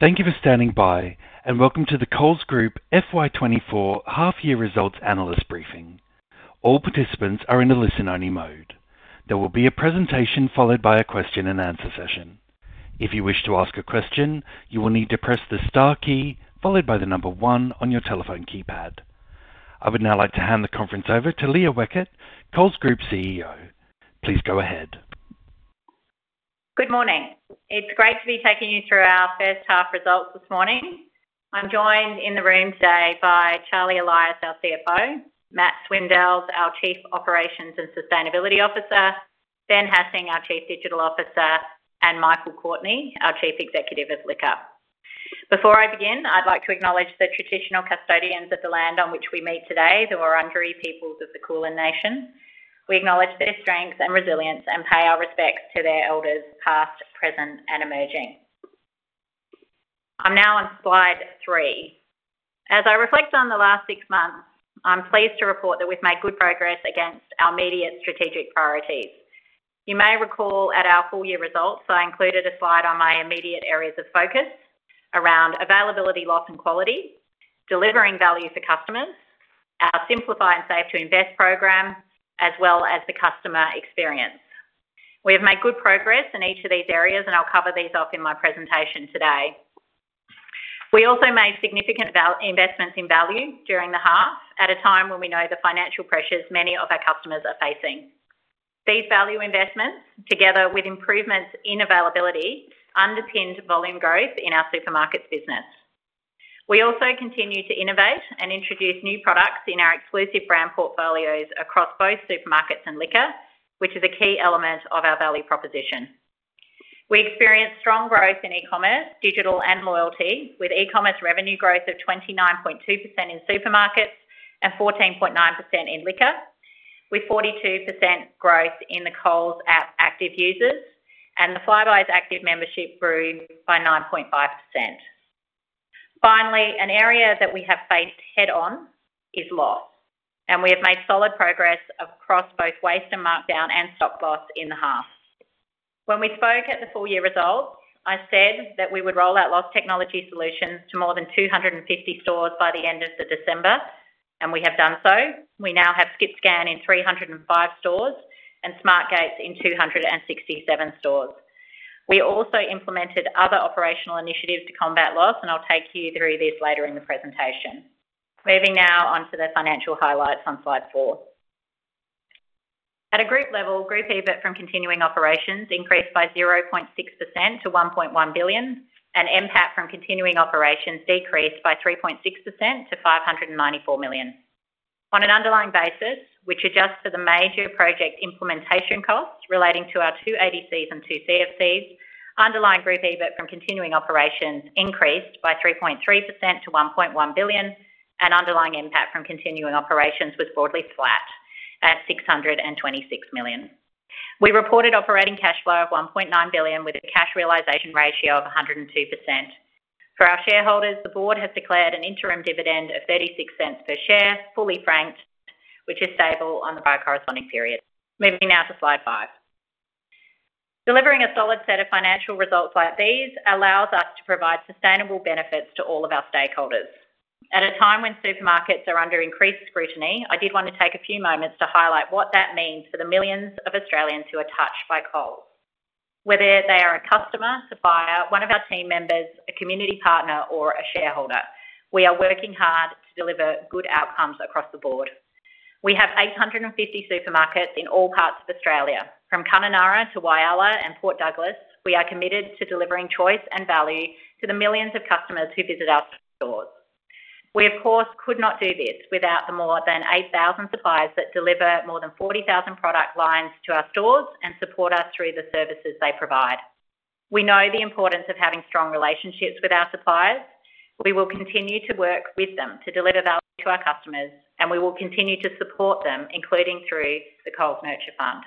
Thank you for standing by, and welcome to the Coles Group FY 2024 Half Year Results Analyst Briefing. All participants are in a listen-only mode. There will be a presentation followed by a question-and-answer session. If you wish to ask a question, you will need to press the star key followed by the number one on your telephone keypad. I would now like to hand the conference over to Leah Weckert, Coles Group CEO. Please go ahead. Good morning. It's great to be taking you through our first half results this morning. I'm joined in the room today by Charlie Elias, our CFO; Matt Swindells, our Chief Operations and Sustainability Officer; Ben Hassing, our Chief Digital Officer; and Michael Courtney, our Chief Executive of Liquor. Before I begin, I'd like to acknowledge the traditional custodians of the land on which we meet today, the Wurundjeri peoples of the Kulin Nation. We acknowledge their strengths and resilience and pay our respects to their elders, past, present, and emerging. I'm now on slide three. As I reflect on the last six months, I'm pleased to report that we've made good progress against our immediate strategic priorities. You may recall at our full-year results, I included a slide on my immediate areas of focus around availability, loss, and quality, delivering value for customers, our Simplify and Save to Invest program, as well as the customer experience. We have made good progress in each of these areas, and I'll cover these off in my presentation today. We also made significant investments in value during the half at a time when we know the financial pressures many of our customers are facing. These value investments, together with improvements in availability, underpinned volume growth in our supermarkets business. We also continue to innovate and introduce new products in our exclusive brand portfolios across both supermarkets and liquor, which is a key element of our value proposition. We experienced strong growth in e-commerce, digital, and loyalty, with e-commerce revenue growth of 29.2% in Supermarkets and 14.9% in Liquor, with 42% growth in the Coles app active users, and the Flybuys active membership grew by 9.5%. Finally, an area that we have faced head-on is loss. We have made solid progress across both waste and markdown and stock loss in the half. When we spoke at the full-year results, I said that we would roll out loss technology solutions to more than 250 stores by the end of December. We have done so. We now have Skip Scan in 305 stores and Smart Gates in 267 stores. We also implemented other operational initiatives to combat loss, and I'll take you through this later in the presentation. Moving now on to the financial highlights on slide four. At a group level, group EBIT from continuing operations increased by 0.6% to 1.1 billion, and NPAT from continuing operations decreased by 3.6% to 594 million. On an underlying basis, which adjusts for the major project implementation costs relating to our ADCs and CFCs, underlying group EBIT from continuing operations increased by 3.3% to 1.1 billion, and underlying NPAT from continuing operations was broadly flat at 626 million. We reported operating cash flow of 1.9 billion with a cash realization ratio of 102%. For our shareholders, the board has declared an interim dividend of 0.36 per share, fully franked, which is stable on the prior corresponding period. Moving now to slide five. Delivering a solid set of financial results like these allows us to provide sustainable benefits to all of our stakeholders. At a time when supermarkets are under increased scrutiny, I did want to take a few moments to highlight what that means for the millions of Australians who are touched by Coles. Whether they are a customer, supplier, one of our team members, a community partner, or a shareholder, we are working hard to deliver good outcomes across the board. We have 850 supermarkets in all parts of Australia. From Kununurra to Walla Walla and Port Douglas, we are committed to delivering choice and value to the millions of customers who visit our stores. We, of course, could not do this without the more than 8,000 suppliers that deliver more than 40,000 product lines to our stores and support us through the services they provide. We know the importance of having strong relationships with our suppliers. We will continue to work with them to deliver value to our customers, and we will continue to support them, including through the Coles Nurture Fund.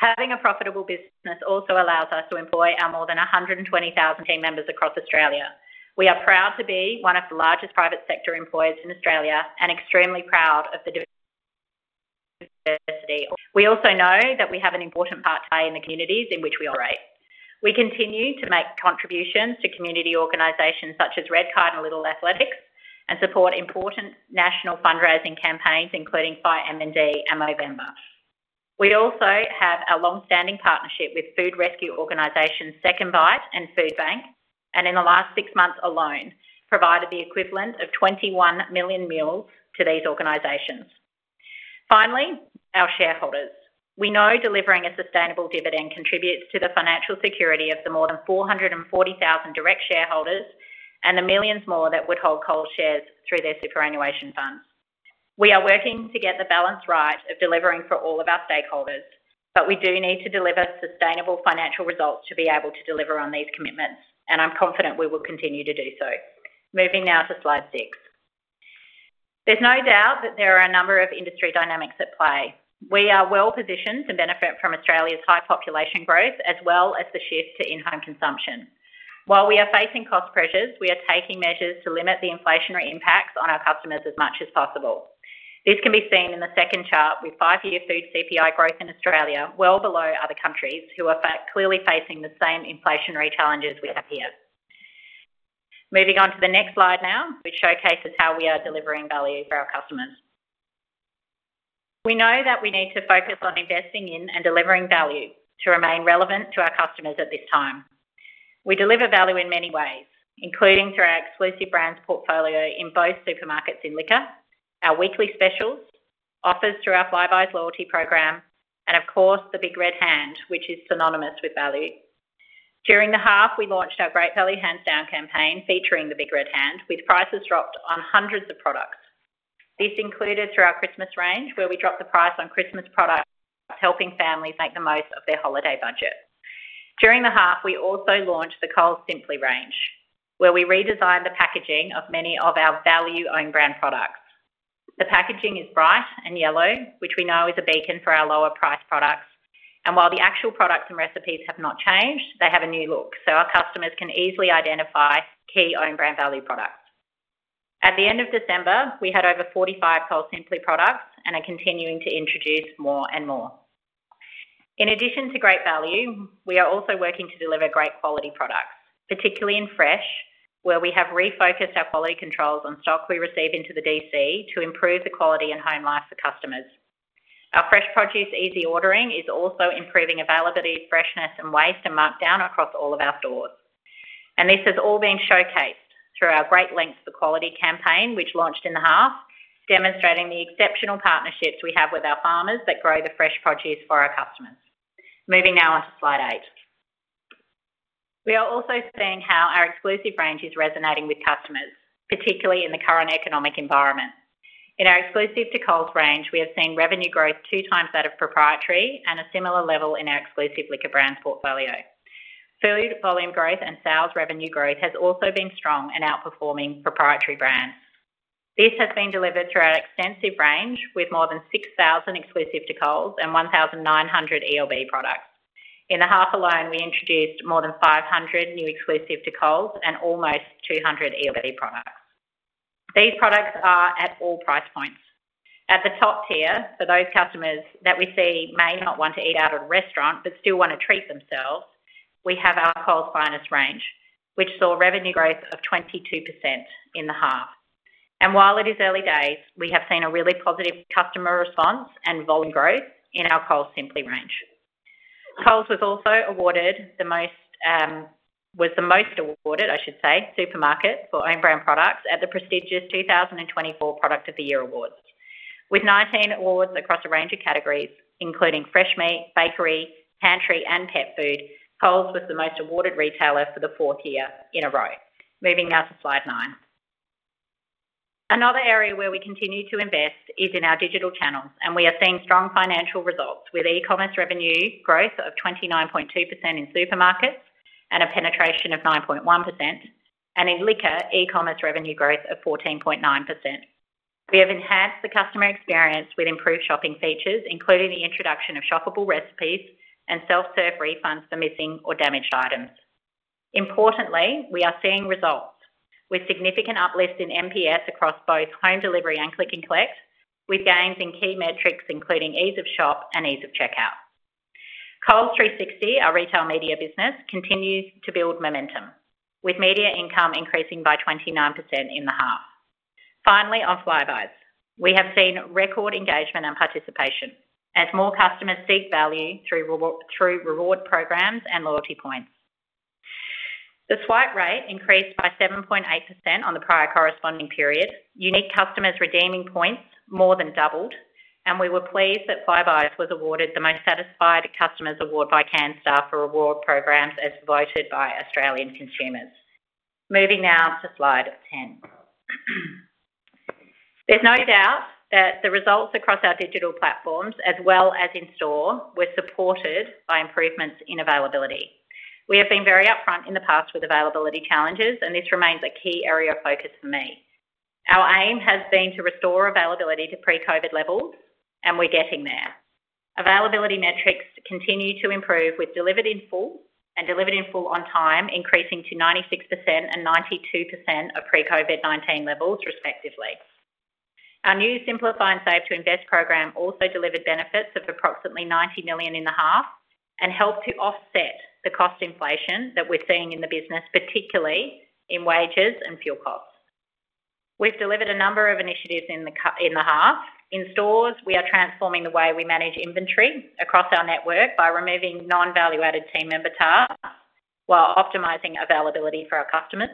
Having a profitable business also allows us to employ our more than 120,000 team members across Australia. We are proud to be one of the largest private sector employers in Australia and extremely proud of the diversity. We also know that we have an important part to play in the communities in which we operate. We continue to make contributions to community organizations such as Redkite and Little Athletics and support important national fundraising campaigns, including FightMND and Movember. We also have a longstanding partnership with food rescue organizations SecondBite and Foodbank, and in the last six months alone, provided the equivalent of 21 million meals to these organizations. Finally, our shareholders. We know delivering a sustainable dividend contributes to the financial security of the more than 440,000 direct shareholders and the millions more that would hold Coles shares through their superannuation funds. We are working to get the balance right of delivering for all of our stakeholders. But we do need to deliver sustainable financial results to be able to deliver on these commitments. And I'm confident we will continue to do so. Moving now to slide six. There's no doubt that there are a number of industry dynamics at play. We are well positioned to benefit from Australia's high population growth as well as the shift to in-home consumption. While we are facing cost pressures, we are taking measures to limit the inflationary impacts on our customers as much as possible. This can be seen in the second chart with five-year food CPI growth in Australia well below other countries who are clearly facing the same inflationary challenges we have here. Moving on to the next slide now, which showcases how we are delivering value for our customers. We know that we need to focus on investing in and delivering value to remain relevant to our customers at this time. We deliver value in many ways, including through our exclusive brands portfolio in both supermarkets and liquor, our weekly specials, offers through our Flybuys loyalty program, and of course, the Big Red Hand, which is synonymous with value. During the half, we launched our Great Value, Hands Down campaign featuring the Big Red Hand, with prices dropped on hundreds of products. This included, through our Christmas range, where we dropped the price on Christmas products, helping families make the most of their holiday budget. During the half, we also launched the Coles Simply range, where we redesigned the packaging of many of our value-owned brand products. The packaging is bright and yellow, which we know is a beacon for our lower-priced products. While the actual products and recipes have not changed, they have a new look. Our customers can easily identify key owned brand value products. At the end of December, we had over 45 Coles Simply products and are continuing to introduce more and more. In addition to great value, we are also working to deliver great quality products, particularly in fresh, where we have refocused our quality controls on stock we receive into the DC to improve the quality and home life for customers. Our fresh produce easy ordering is also improving availability, freshness, and waste and markdown across all of our stores. This has all been showcased through our great lengths for quality campaign, which launched in the half, demonstrating the exceptional partnerships we have with our farmers that grow the fresh produce for our customers. Moving now on to slide eight. We are also seeing how our exclusive range is resonating with customers, particularly in the current economic environment. In our Exclusive to Coles range, we have seen revenue growth two times that of proprietary and a similar level in our Exclusive Liquor Brand portfolio. Food volume growth and sales revenue growth has also been strong and outperforming proprietary brands. This has been delivered through our extensive range with more than 6,000 Exclusive to Coles and 1,900 ELB products. In the half alone, we introduced more than 500 new Exclusive to Coles and almost 200 ELB products. These products are at all price points. At the top tier, for those customers that we see may not want to eat out at a restaurant but still want to treat themselves, we have our Coles Finest range, which saw revenue growth of 22% in the half. And while it is early days, we have seen a really positive customer response and volume growth in our Coles Simply range. Coles was also awarded the most awarded, I should say, supermarket for owned brand products at the prestigious 2024 Product of the Year Awards. With 19 awards across a range of categories, including fresh meat, bakery, pantry, and pet food, Coles was the most awarded retailer for the fourth year in a row. Moving now to slide nine. Another area where we continue to invest is in our digital channels. We are seeing strong financial results with e-commerce revenue growth of 29.2% in supermarkets and a penetration of 9.1%, and in liquor, e-commerce revenue growth of 14.9%. We have enhanced the customer experience with improved shopping features, including the introduction of shoppable recipes and self-serve refunds for missing or damaged items. Importantly, we are seeing results with significant uplift in NPS across both home delivery and click and collect, with gains in key metrics including ease of shop and ease of checkout. Coles 360, our retail media business, continues to build momentum, with media income increasing by 29% in the half. Finally, on Flybuys, we have seen record engagement and participation as more customers seek value through reward programs and loyalty points. The swipe rate increased by 7.8% on the prior corresponding period. Unique customers redeeming points more than doubled. We were pleased that Flybuys was awarded the Most Satisfied Customers Award by Canstar for reward programs as voted by Australian consumers. Moving now to slide 10. There's no doubt that the results across our digital platforms, as well as in store, were supported by improvements in availability. We have been very upfront in the past with availability challenges, and this remains a key area of focus for me. Our aim has been to restore availability to pre-COVID levels, and we're getting there. Availability metrics continue to improve with delivered in full and delivered in full on time, increasing to 96% and 92% of pre-COVID-19 levels, respectively. Our new Simplify and Save to Invest program also delivered benefits of approximately 90 million in the half and helped to offset the cost inflation that we're seeing in the business, particularly in wages and fuel costs. We've delivered a number of initiatives in the half. In stores, we are transforming the way we manage inventory across our network by removing non-value-added team member tasks while optimizing availability for our customers.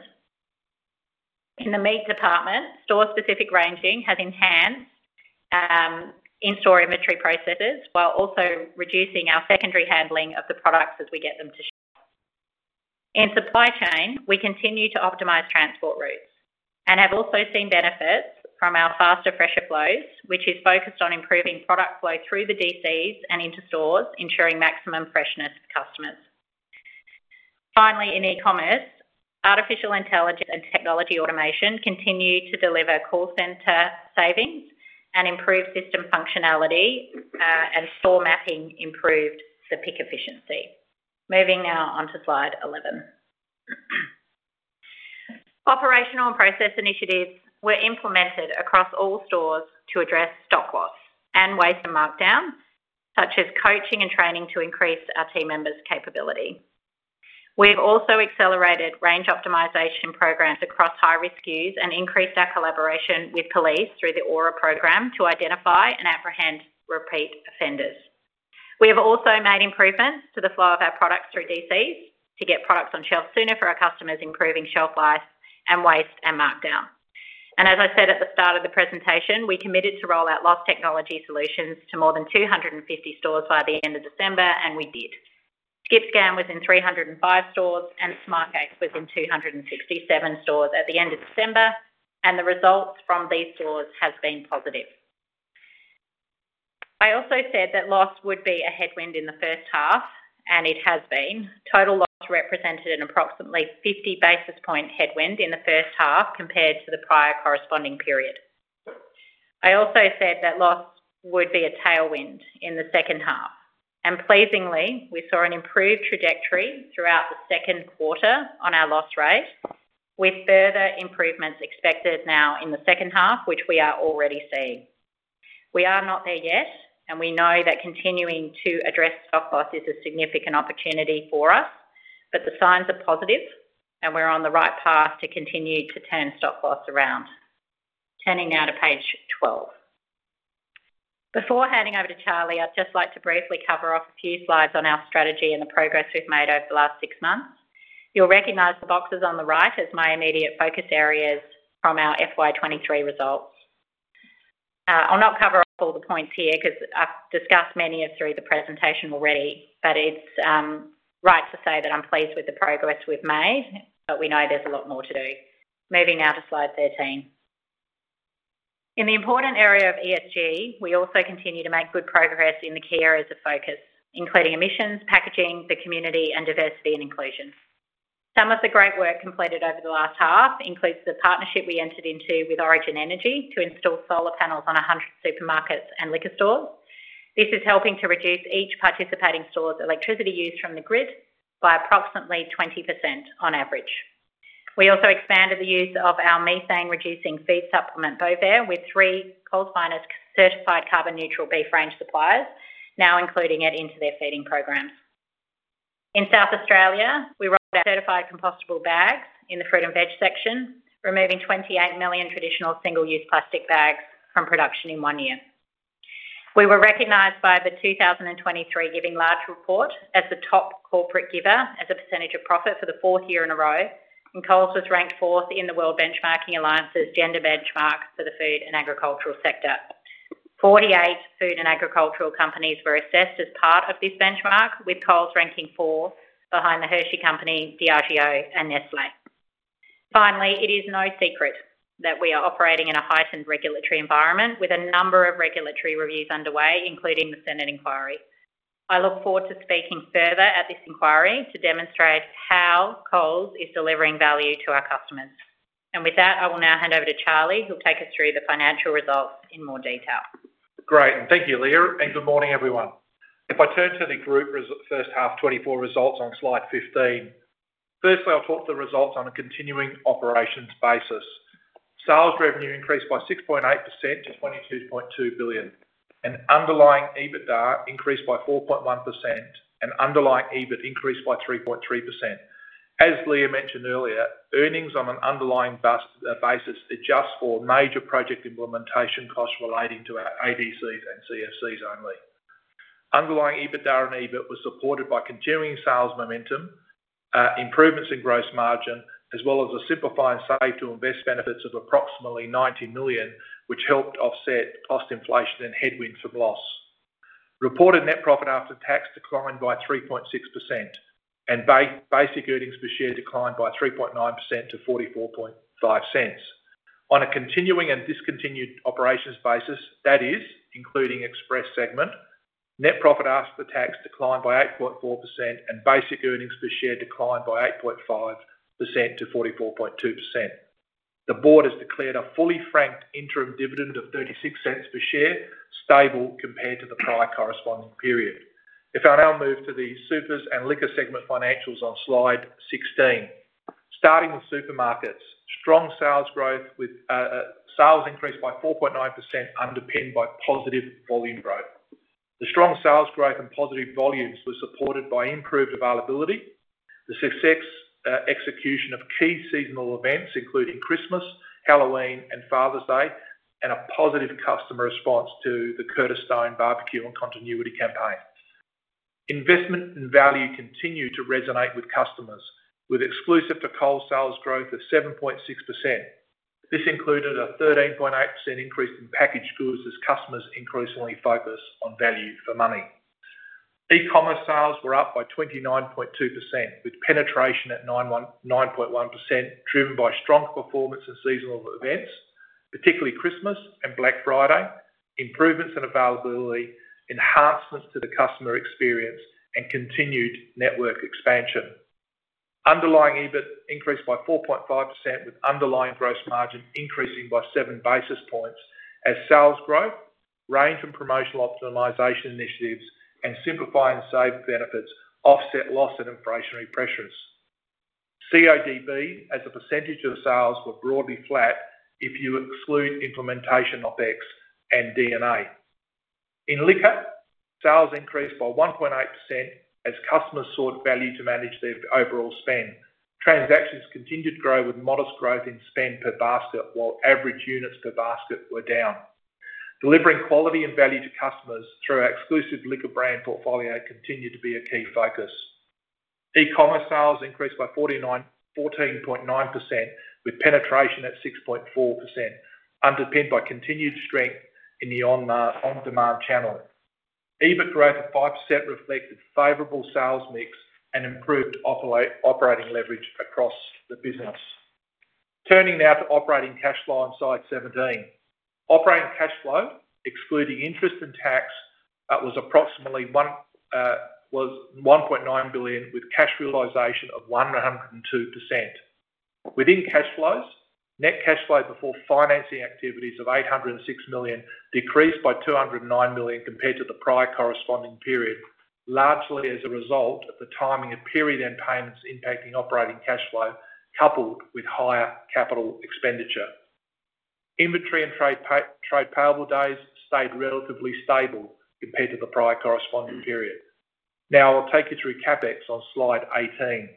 In the meat department, store-specific ranging has enhanced in-store inventory processes while also reducing our secondary handling of the products as we get them to shop. In supply chain, we continue to optimize transport routes and have also seen benefits from our Faster Fresher Flows, which is focused on improving product flow through the DCs and into stores, ensuring maximum freshness for customers. Finally, in e-commerce, artificial intelligence and technology automation continue to deliver call center savings and improved system functionality. Store mapping improved the pick efficiency. Moving now on to slide 11. Operational and process initiatives were implemented across all stores to address stock loss and waste and markdown, such as coaching and training to increase our team members' capability. We've also accelerated range optimization programs across high-risk SKUs and increased our collaboration with police through the Auror program to identify and apprehend repeat offenders. We have also made improvements to the flow of our products through DCs to get products on shelves sooner for our customers, improving shelf life and waste and markdown. As I said at the start of the presentation, we committed to roll out loss technology solutions to more than 250 stores by the end of December, and we did. Skip Scan was in 305 stores and Smart Gate was in 267 stores at the end of December. The results from these stores have been positive. I also said that loss would be a headwind in the first half, and it has been. Total loss represented an approximately 50 basis point headwind in the first half compared to the prior corresponding period. I also said that loss would be a tailwind in the second half. Pleasingly, we saw an improved trajectory throughout the second quarter on our loss rate, with further improvements expected now in the second half, which we are already seeing. We are not there yet. We know that continuing to address stock loss is a significant opportunity for us. The signs are positive, and we're on the right path to continue to turn stock loss around. Turning now to page 12. Before handing over to Charlie, I'd just like to briefly cover off a few slides on our strategy and the progress we've made over the last six months. You'll recognize the boxes on the right as my immediate focus areas from our FY 2023 results. I'll not cover off all the points here because I've discussed many of them through the presentation already. But it's right to say that I'm pleased with the progress we've made. But we know there's a lot more to do. Moving now to slide 13. In the important area of ESG, we also continue to make good progress in the key areas of focus, including emissions, packaging, the community, and diversity and inclusion. Some of the great work completed over the last half includes the partnership we entered into with Origin Energy to install solar panels on 100 supermarkets and liquor stores. This is helping to reduce each participating store's electricity use from the grid by approximately 20% on average. We also expanded the use of our methane-reducing feed supplement Bovaer with three Coles Finest certified carbon neutral beef range suppliers, now including it into their feeding programs. In South Australia, we rolled out certified compostable bags in the fruit and veg section, removing 28 million traditional single-use plastic bags from production in one year. We were recognized by the 2023 GivingLarge Report as the top corporate giver as a percentage of profit for the fourth year in a row. Coles was ranked fourth in the World Benchmarking Alliance's gender benchmark for the food and agricultural sector. 48 food and agricultural companies were assessed as part of this benchmark, with Coles ranking fourth behind the Hershey Company, Diageo, and Nestlé. Finally, it is no secret that we are operating in a heightened regulatory environment with a number of regulatory reviews underway, including the Senate inquiry. I look forward to speaking further at this inquiry to demonstrate how Coles is delivering value to our customers. And with that, I will now hand over to Charlie, who'll take us through the financial results in more detail. Great. Thank you, Leah. Good morning, everyone. If I turn to the group first half 2024 results on slide 15. Firstly, I'll talk to the results on a continuing operations basis. Sales revenue increased by 6.8% to 22.2 billion. Underlying EBITDA increased by 4.1%. Underlying EBIT increased by 3.3%. As Leah mentioned earlier, earnings on an underlying basis adjust for major project implementation costs relating to our ADCs and CFCs only. Underlying EBITDA and EBIT were supported by continuing sales momentum, improvements in gross margin, as well as the Simplify and Save to Invest benefits of approximately 90 million, which helped offset cost inflation and headwind from loss. Reported net profit after tax declined by 3.6%. Basic earnings per share declined by 3.9% to 0.445. On a continuing and discontinued operations basis, that is, including express segment, net profit after tax declined by 8.4% and basic earnings per share declined by 8.5% to 0.442. The board has declared a fully franked interim dividend of 0.36 per share, stable compared to the prior corresponding period. If I now move to the Supers and Liquor segment financials on slide 16. Starting with supermarkets, strong sales growth with sales increased by 4.9% underpinned by positive volume growth. The strong sales growth and positive volumes were supported by improved availability, the success execution of key seasonal events, including Christmas, Halloween, and Father's Day, and a positive customer response to the Curtis Stone barbecue and continuity campaign. Investment and value continue to resonate with customers, with Exclusive to Coles sales growth of 7.6%. This included a 13.8% increase in packaged goods as customers increasingly focus on value for money. E-commerce sales were up by 29.2%, with penetration at 9.1% driven by strong performance and seasonal events, particularly Christmas and Black Friday, improvements in availability, enhancements to the customer experience, and continued network expansion. Underlying EBIT increased by 4.5%, with underlying gross margin increasing by 7 basis points as sales growth, range and promotional optimization initiatives, and Simplify and Save benefits offset loss and inflationary pressures. CODB, as a percentage of sales, were broadly flat if you exclude implementation OpEx and D&A. In liquor, sales increased by 1.8% as customers sought value to manage their overall spend. Transactions continued to grow with modest growth in spend per basket while average units per basket were down. Delivering quality and value to customers through our exclusive liquor brand portfolio continued to be a key focus. E-commerce sales increased by 14.9%, with penetration at 6.4%, underpinned by continued strength in the on-demand channel. EBIT growth of 5% reflected favorable sales mix and improved operating leverage across the business. Turning now to operating cash flow on slide 17. Operating cash flow, excluding interest and tax, was approximately 1.9 billion, with cash realization of 102%. Within cash flows, net cash flow before financing activities of 806 million decreased by 209 million compared to the prior corresponding period, largely as a result of the timing of period and payments impacting operating cash flow, coupled with higher capital expenditure. Inventory and trade payable days stayed relatively stable compared to the prior corresponding period. Now I'll take you through CapEx on slide 18.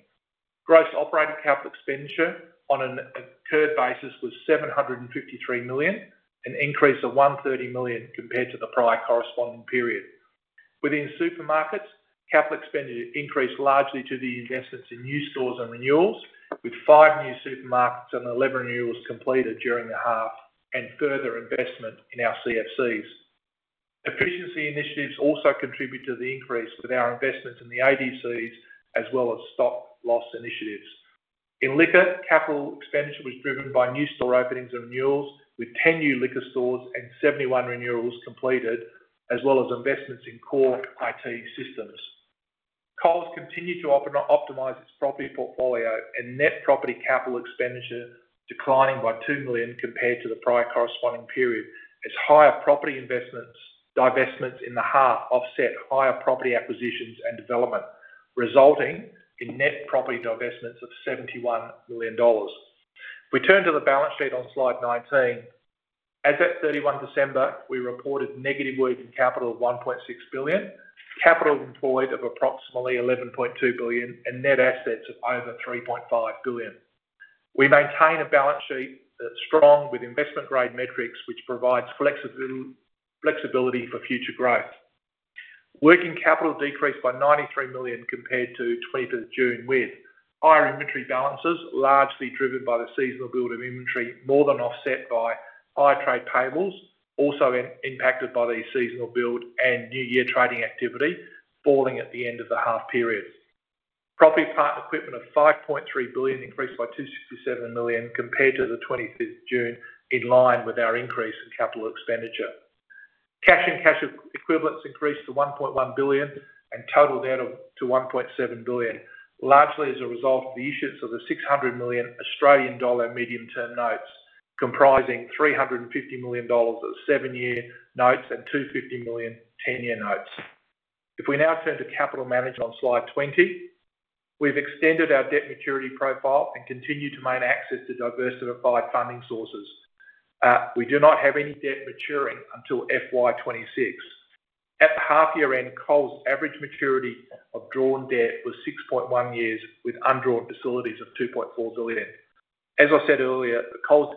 Gross operating capital expenditure on an occurred basis was 753 million, an increase of 130 million compared to the prior corresponding period. Within supermarkets, capital expenditure increased largely to the investments in new stores and renewals, with five new supermarkets and 11 renewals completed during the half and further investment in our CFCs. Efficiency initiatives also contribute to the increase with our investments in the ADCs, as well as stock loss initiatives. In liquor, capital expenditure was driven by new store openings and renewals, with 10 new liquor stores and 71 renewals completed, as well as investments in core IT systems. Coles continued to optimize its property portfolio and net property capital expenditure declining by 2 million compared to the prior corresponding period, as higher property investments in the half offset higher property acquisitions and development, resulting in net property divestments of AUD 71 million. If we turn to the balance sheet on slide 19. As at 31 December, we reported negative working capital of 1.6 billion, capital employed of approximately 11.2 billion, and net assets of over 3.5 billion. We maintain a balance sheet that's strong with investment grade metrics, which provides flexibility for future growth. Working capital decreased by 93 million compared to 25th June with higher inventory balances, largely driven by the seasonal build of inventory, more than offset by higher trade payables, also impacted by the seasonal build and new year trading activity falling at the end of the half period. Property, plant and equipment of 5.3 billion increased by 267 million compared to the 25th June, in line with our increase in capital expenditure. Cash and cash equivalents increased to 1.1 billion and totaled out to 1.7 billion, largely as a result of the issuance of 600 million Australian dollar medium-term notes, comprising 350 million dollars of seven year notes and 250 million 10-year notes. If we now turn to capital management on slide 20. We've extended our debt maturity profile and continue to maintain access to diversified funding sources. We do not have any debt maturing until FY 2026. At the half year end, Coles' average maturity of drawn debt was 6.1 years, with undrawn facilities of 2.4 billion. As I said earlier, the Coles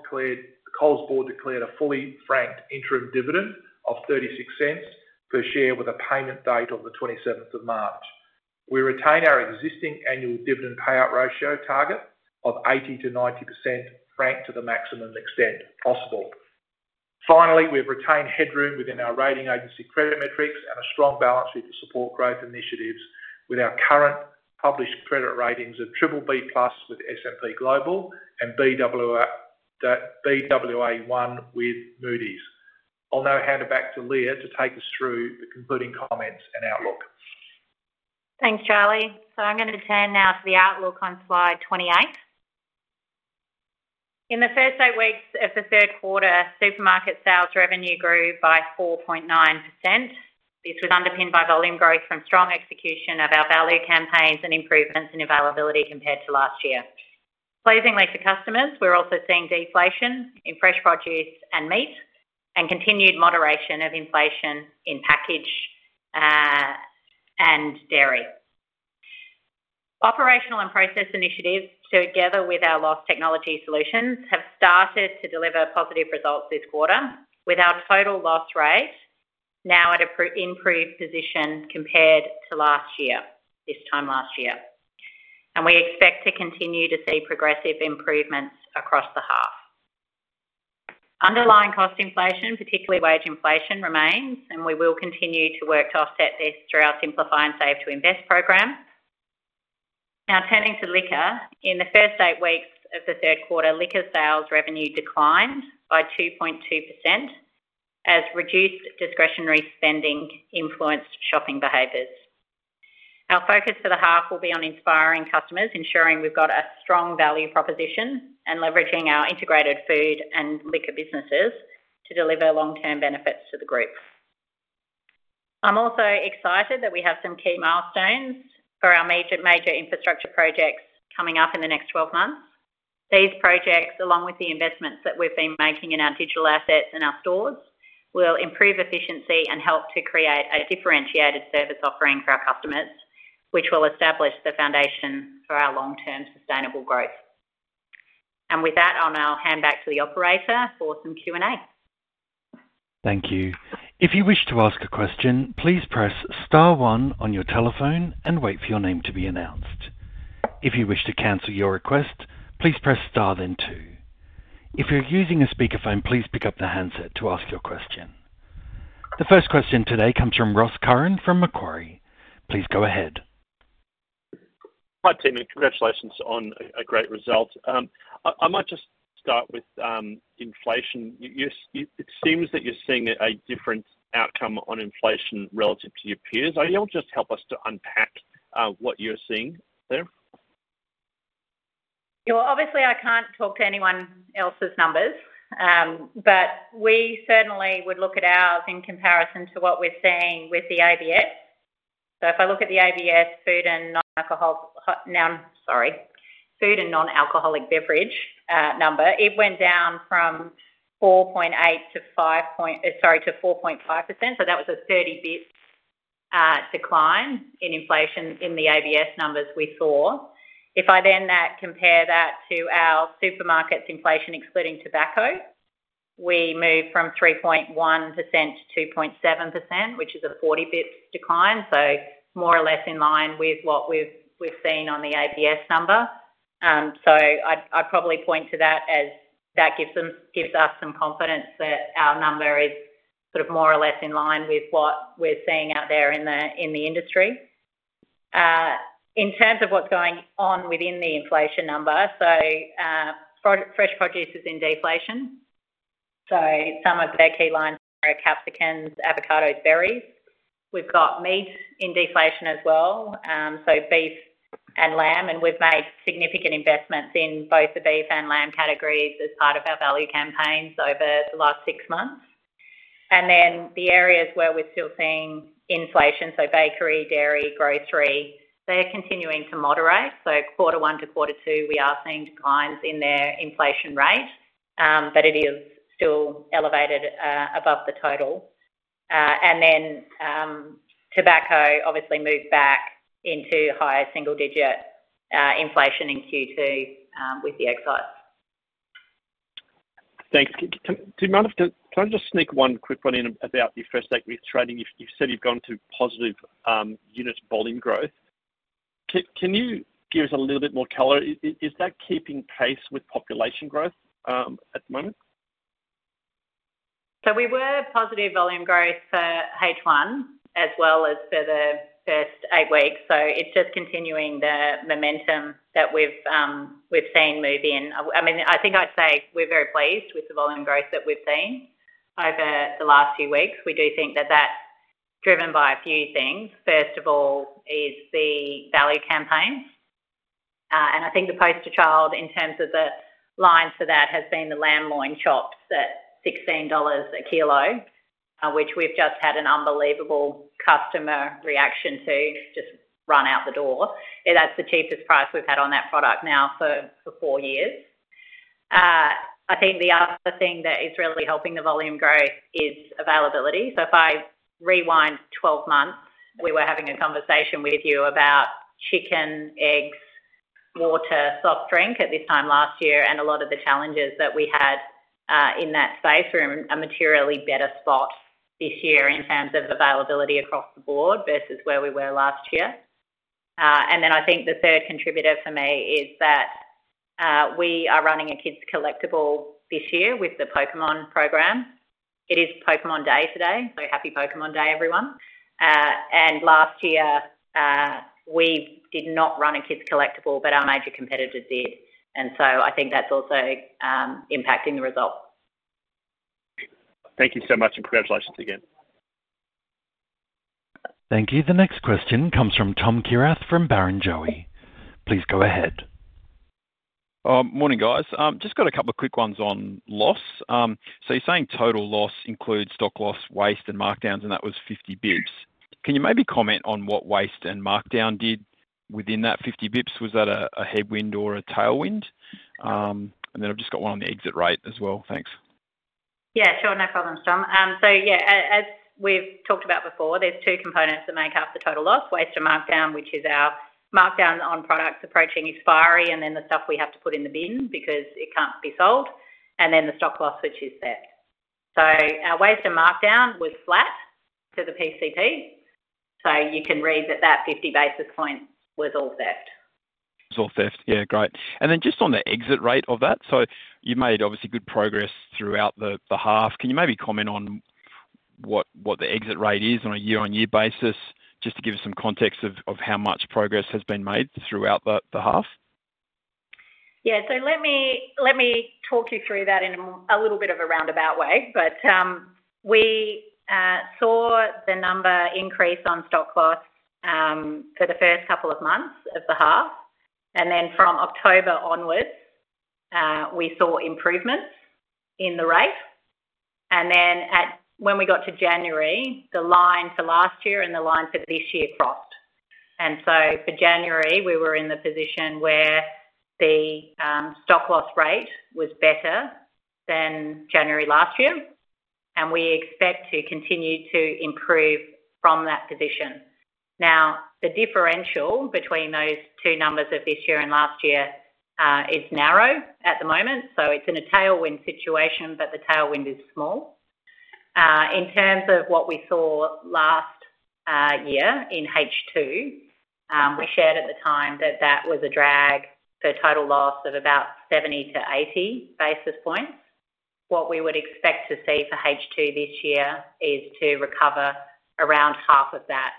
board declared a fully franked interim dividend of 0.36 per share with a payment date of the 27th of March. We retain our existing annual dividend payout ratio target of 80%-90% franked to the maximum extent possible. Finally, we've retained headroom within our rating agency credit metrics and a strong balance sheet to support growth initiatives with our current published credit ratings of BBB+ with S&P Global and Baa1 with Moody's. I'll now hand it back to Leah to take us through the concluding comments and outlook. Thanks, Charlie. So I'm going to turn now to the outlook on slide 28. In the first eight weeks of the third quarter, supermarket sales revenue grew by 4.9%. This was underpinned by volume growth from strong execution of our value campaigns and improvements in availability compared to last year. Pleasingly for customers, we're also seeing deflation in fresh produce and meat and continued moderation of inflation in packaged and dairy. Operational and process initiatives, together with our loss technology solutions, have started to deliver positive results this quarter, with our total loss rate now at an improved position compared to last year, this time last year. We expect to continue to see progressive improvements across the half. Underlying cost inflation, particularly wage inflation, remains, and we will continue to work to offset this through our Simplify and Save to Invest program. Now turning to Liquor. In the first eight weeks of the third quarter, Liquor sales revenue declined by 2.2% as reduced discretionary spending influenced shopping behaviours. Our focus for the half will be on inspiring customers, ensuring we've got a strong value proposition, and leveraging our integrated food and liquor businesses to deliver long-term benefits to the group. I'm also excited that we have some key milestones for our major infrastructure projects coming up in the next 12 months. These projects, along with the investments that we've been making in our digital assets and our stores, will improve efficiency and help to create a differentiated service offering for our customers, which will establish the foundation for our long-term sustainable growth. And with that, I'll now hand back to the operator for some Q&A. Thank you. If you wish to ask a question, please press star one on your telephone and wait for your name to be announced. If you wish to cancel your request, please press star then two. If you're using a speakerphone, please pick up the handset to ask your question. The first question today comes from Ross Curran from Macquarie. Please go ahead. Hi, team. Congratulations on a great result. I might just start with inflation. It seems that you're seeing a different outcome on inflation relative to your peers. Are you able to just help us to unpack what you're seeing there? Obviously, I can't talk to anyone else's numbers. But we certainly would look at ours in comparison to what we're seeing with the ABS. So if I look at the ABS food and non-alcoholic, sorry. Food and non-alcoholic beverage number, it went down from 4.8% to 5 point, sorry, to 4.5%. So that was a 30 basis point decline in inflation in the ABS numbers we saw. If I then compare that to our supermarkets inflation excluding tobacco, we moved from 3.1% to 2.7%, which is a 40 basis point decline. More or less in line with what we've seen on the ABS number. I'd probably point to that as that gives us some confidence that our number is sort of more or less in line with what we're seeing out there in the industry. In terms of what's going on within the inflation number, fresh produce is in deflation. Some of their key lines are capsicums, avocados, berries. We've got meat in deflation as well. Beef and lamb. We've made significant investments in both the beef and lamb categories as part of our value campaigns over the last six months. The areas where we're still seeing inflation, bakery, dairy, grocery, they're continuing to moderate. So quarter one to quarter two, we are seeing declines in their inflation rate. But it is still elevated above the total. And then tobacco obviously moved back into higher single-digit inflation in Q2 with the excise. Thanks. Can I just sneak one quick one in about your first eight weeks trading? You said you've gone to positive unit volume growth. Can you give us a little bit more color? Is that keeping pace with population growth at the moment? So we were positive volume growth for H1 as well as for the first eight weeks. So it's just continuing the momentum that we've seen moving in. I mean, I think I'd say we're very pleased with the volume growth that we've seen over the last few weeks. We do think that that's driven by a few things. First of all, is the value campaigns. I think the poster child in terms of the lines for that has been the lamb chops at 16 dollars/kl, which we've just had an unbelievable customer reaction to just run out the door. That's the cheapest price we've had on that product now for four years. I think the other thing that is really helping the volume growth is availability. So if I rewind 12 months, we were having a conversation with you about chicken, eggs, water, soft drink at this time last year, and a lot of the challenges that we had in that space. We're in a materially better spot this year in terms of availability across the board versus where we were last year. And then I think the third contributor for me is that we are running a kids' collectible this year with the Pokémon program. It is Pokémon Day today. So happy Pokémon Day, everyone. And last year, we did not run a kids' collectible, but our major competitors did. And so I think that's also impacting the result. Thank you so much. And congratulations again. Thank you. The next question comes from Tom Kierath from Barrenjoey. Please go ahead. Morning, guys. Just got a couple of quick ones on loss. So you're saying total loss includes stock loss, waste, and markdowns, and that was 50 basis points. Can you maybe comment on what waste and markdown did within that 50 basis points? Was that a headwind or a tailwind? And then I've just got one on the exit rate as well. Thanks. Yeah. Sure. No problem, Tom. So yeah, as we've talked about before, there's two components that make up the total loss: Waste and Markdown, which is our markdowns on products approaching expiry and then the stuff we have to put in the bin because it can't be sold. And then the Stock Loss, which is theft. So our Waste and Markdown was flat to the PCP. So you can read that that 50 basis points was all theft. Was all theft. Yeah. Great. And then just on the exit rate of that, so you've made obviously good progress throughout the half. Can you maybe comment on what the exit rate is on a year-on-year basis just to give us some context of how much progress has been made throughout the half? Yeah. So let me talk you through that in a little bit of a roundabout way. We saw the number increase on Stock Loss for the first couple of months of the half. Then from October onwards, we saw improvements in the rate. Then when we got to January, the line for last year and the line for this year crossed. So for January, we were in the position where the Stock Loss rate was better than January last year. We expect to continue to improve from that position. Now, the differential between those two numbers of this year and last year is narrow at the moment. It's in a tailwind situation, but the tailwind is small. In terms of what we saw last year in H2, we shared at the time that that was a drag for total loss of about 70 to 80 basis points. What we would expect to see for H2 this year is to recover around half of that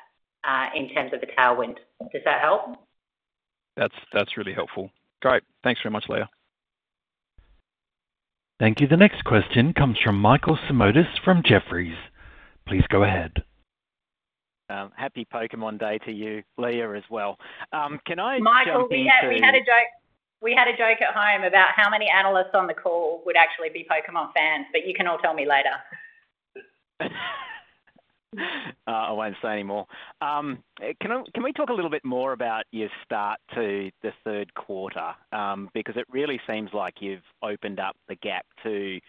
in terms of the tailwind. Does that help? That's really helpful. Great. Thanks very much, Leah. Thank you. The next question comes from Michael Simotas from Jefferies. Please go ahead. Happy Pokémon Day to you, Leah, as well. Can I share a quick? Michael, we had a joke at home about how many analysts on the call would actually be Pokémon fans. But you can all tell me later. I won't say anymore. Can we talk a little bit more about your start to the third quarter? Because it really seems like you've opened up the gap to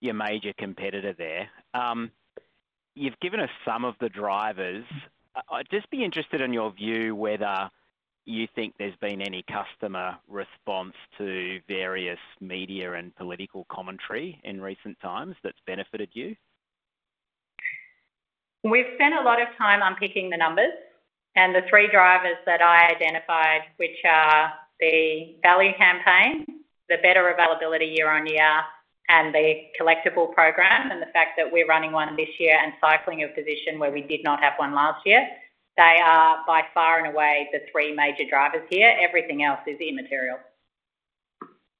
your major competitor there. You've given us some of the drivers. I'd just be interested in your view whether you think there's been any customer response to various media and political commentary in recent times that's benefited you. We've spent a lot of time unpicking the numbers. And the three drivers that I identified, which are the value campaign, the better availability year-on-year, and the collectible program, and the fact that we're running one this year and cycling a position where we did not have one last year, they are by far and away the three major drivers here. Everything else is immaterial.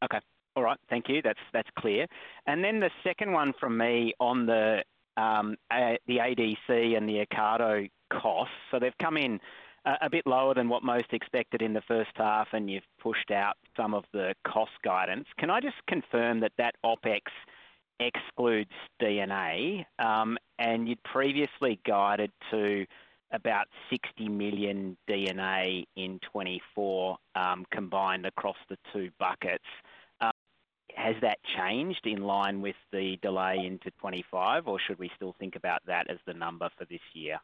Okay. All right. Thank you. That's clear. And then the second one from me on the ADC and the Ocado costs. So they've come in a bit lower than what most expected in the first half, and you've pushed out some of the cost guidance. Can I just confirm that that OpEx excludes D&A? And you'd previously guided to about 60 million D&A in 2024 combined across the two buckets. Has that changed in line with the delay into 2025, or should we still think about that as the number for this year?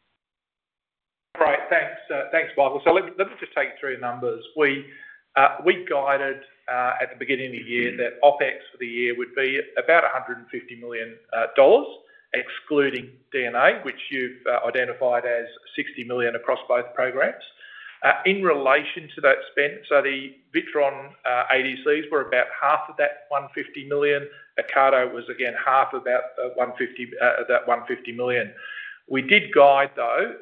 Right. Thanks. Thanks, Michael. So let me just take you through the numbers. We guided at the beginning of the year that OpEx for the year would be about 150 million dollars excluding D&A, which you've identified as 60 million across both programs. In relation to that spend so the Witron ADCs were about half of that 150 million. Ocado was, again, half of that 150 million. We did guide, though,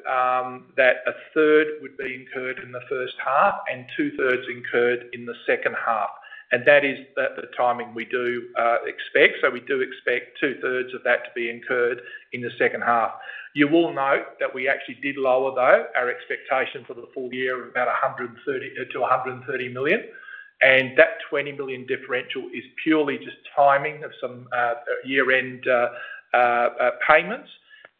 that a third would be incurred in the first half and 2/3 incurred in the second half. And that is the timing we do expect. So we do expect 2/3 of that to be incurred in the second half. You will note that we actually did lower, though, our expectation for the full year of about 130 million-130 million. That 20 million differential is purely just timing of some year-end payments.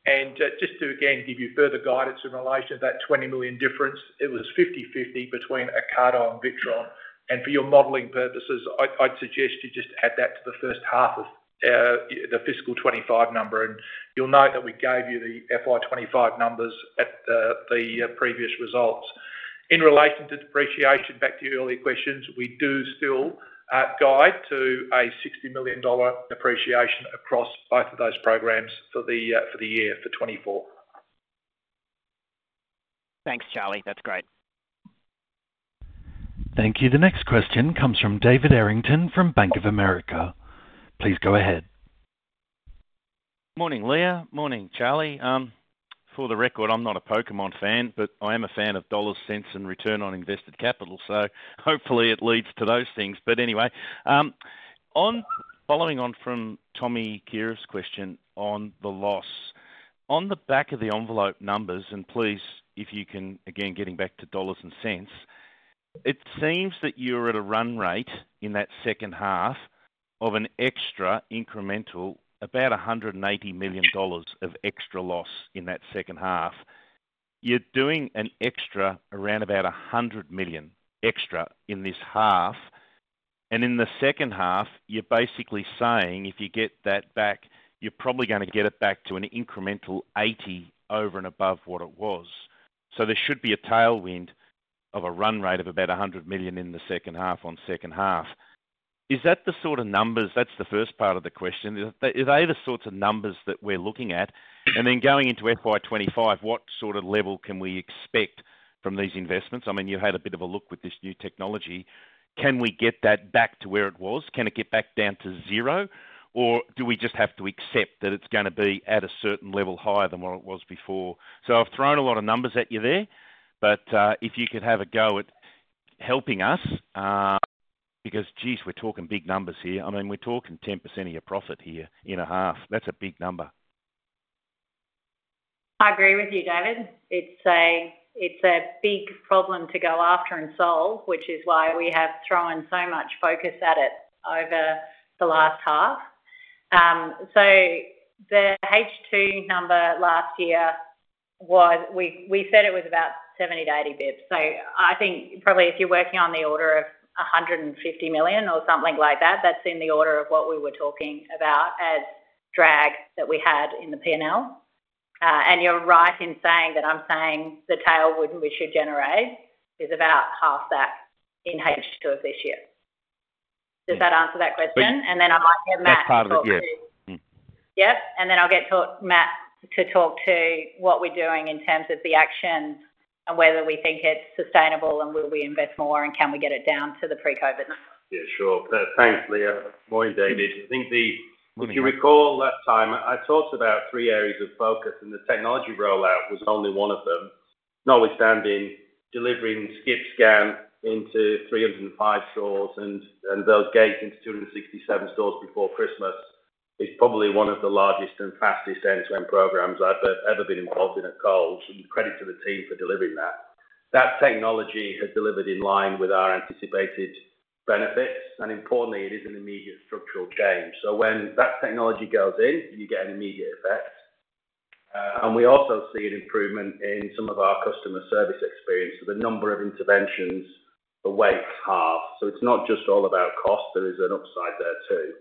Just to, again, give you further guidance in relation to that 20 million difference, it was 50/50 between Ocado and Witron. For your modelling purposes, I'd suggest you just add that to the first half of the fiscal 2025 number. You'll note that we gave you the FY 2025 numbers at the previous results. In relation to depreciation, back to your earlier questions, we do still guide to an 60 million dollar depreciation across both of those programs for the year, for 2024. Thanks, Charlie. That's great. Thank you. The next question comes from David Errington from Bank of America. Please go ahead. Morning, Leah. Morning, Charlie. For the record, I'm not a Pokémon fan, but I am a fan of dollars, cents, and return on invested capital. So hopefully, it leads to those things. But anyway, following on from Tom Kierath's question on the loss, on the back of the envelope numbers and please, if you can, again, getting back to dollars and cents, it seems that you're at a run rate in that second half of an extra incremental, about 180 million dollars of extra loss in that second half. You're doing an extra around about 100 million extra in this half. And in the second half, you're basically saying if you get that back, you're probably going to get it back to an incremental 80 million over and above what it was. So there should be a tailwind of a run rate of about 100 million in the second half on second half. Is that the sort of numbers? That's the first part of the question. Are they the sorts of numbers that we're looking at? And then going into FY 2025, what sort of level can we expect from these investments? I mean, you've had a bit of a look with this new technology. Can we get that back to where it was? Can it get back down to zero? Or do we just have to accept that it's going to be at a certain level higher than what it was before? So I've thrown a lot of numbers at you there. But if you could have a go at helping us because, jeez, we're talking big numbers here. I mean, we're talking 10% of your profit here in a half. That's a big number. I agree with you, David. It's a big problem to go after and solve, which is why we have thrown so much focus at it over the last half. So the H2 number last year was we said it was about 70-80 basis points. So I think probably if you're working on the order of 150 million or something like that, that's in the order of what we were talking about as drag that we had in the P&L. And you're right in saying that I'm saying the tailwind we should generate is about half that in H2 of this year. Does that answer that question? And then I might get Matt to talk to. That's part of it, yeah. Yep. And then I'll get Matt to talk to what we're doing in terms of the actions and whether we think it's sustainable and will we invest more and can we get it down to the pre-COVID number. Yeah. Sure. Thanks, Leah. Morning, David. I think if you recall last time, I talked about three areas of focus. And the technology rollout was only one of them. Notwithstanding, delivering Skip Scan into 305 stores and those gates into 267 stores before Christmas is probably one of the largest and fastest end-to-end programs I've ever been involved in at Coles. And credit to the team for delivering that. That technology has delivered in line with our anticipated benefits. And importantly, it is an immediate structural change. So when that technology goes in, you get an immediate effect. And we also see an improvement in some of our customer service experience. So the number of interventions has halved. So it's not just all about cost. There is an upside there too.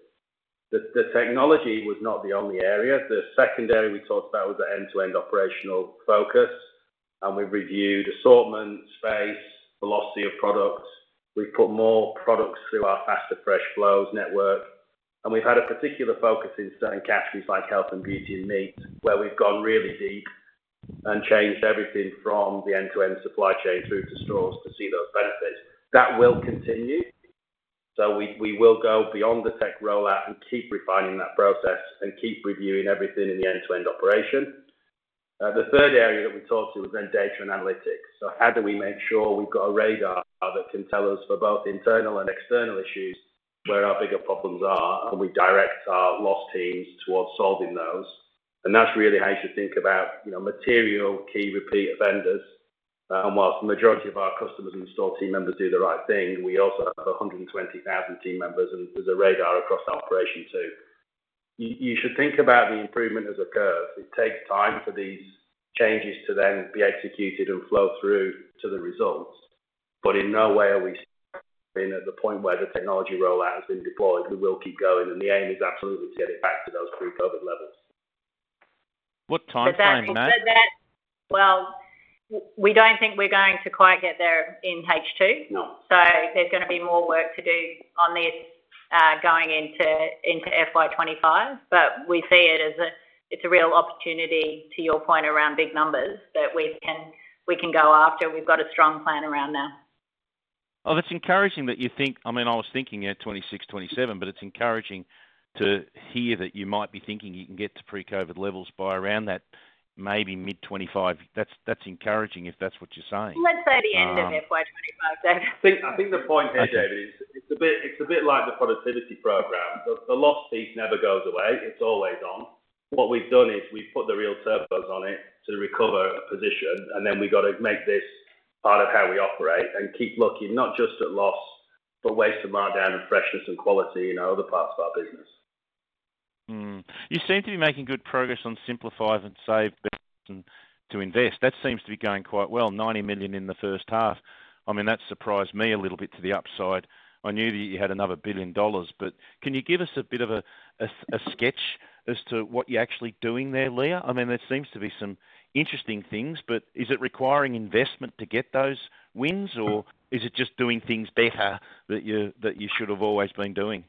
The technology was not the only area. The second area we talked about was the end-to-end operational focus. And we've reviewed assortment, space, velocity of products. We've put more products through our faster, fresher, flows network. And we've had a particular focus in certain categories like health and beauty and meat where we've gone really deep and changed everything from the end-to-end supply chain through to stores to see those benefits. That will continue. So we will go beyond the tech rollout and keep refining that process and keep reviewing everything in the end-to-end operation. The third area that we talked to was then data and analytics. So how do we make sure we've got a radar that can tell us for both internal and external issues where our bigger problems are? We direct our loss teams towards solving those. That's really how you should think about material, key, repeat offenders. While the majority of our customers and store team members do the right thing, we also have 120,000 team members and there's a radar across the operation too. You should think about the improvement as a curve. It takes time for these changes to then be executed and flow through to the results. But in no way are we stopping at the point where the technology rollout has been deployed. We will keep going. The aim is absolutely to get it back to those pre-COVID levels. What timeframe, Matt? Well, we don't think we're going to quite get there in H2. So there's going to be more work to do on this going into FY 2025. But we see it as a, it's a real opportunity, to your point, around big numbers that we can go after. We've got a strong plan around now. Oh, that's encouraging that you think, I mean, I was thinking year 2026, 2027. But it's encouraging to hear that you might be thinking you can get to pre-COVID levels by around that maybe mid-2025. That's encouraging if that's what you're saying. Let's say the end of FY 2025, David. I think the point here, David, is it's a bit like the productivity program. The loss piece never goes away. It's always on. What we've done is we've put the real turbos on it to recover a position. And then we've got to make this part of how we operate and keep looking not just at loss but wasting more time on freshness and quality and other parts of our business. You seem to be making good progress on Simplify and Save to Invest. That seems to be going quite well, 90 million in the first half. I mean, that surprised me a little bit to the upside. I knew that you had another 1 billion dollars. But can you give us a bit of a sketch as to what you're actually doing there, Leah? I mean, there seems to be some interesting things. But is it requiring investment to get those wins, or is it just doing things better that you should have always been doing?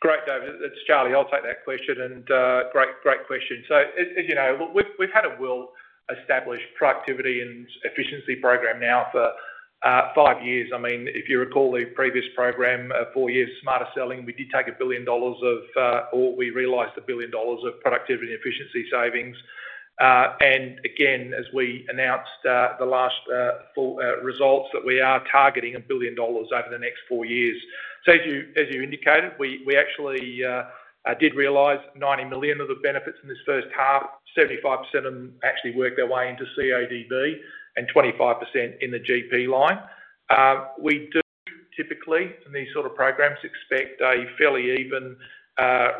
Great, David. It's Charlie. I'll take that question. And great, great question. So as you know, we've had a well-established productivity and efficiency program now for five years. I mean, if you recall the previous program, four years Smarter Selling, we did take 1 billion dollars of or we realised 1 billion dollars of productivity and efficiency savings. And again, as we announced the last results that we are targeting 1 billion dollars over the next four years. So as you indicated, we actually did realise 90 million of the benefits in this first half. 75% of them actually worked their way into CODB and 25% in the GP line. We do typically, in these sort of programs, expect a fairly even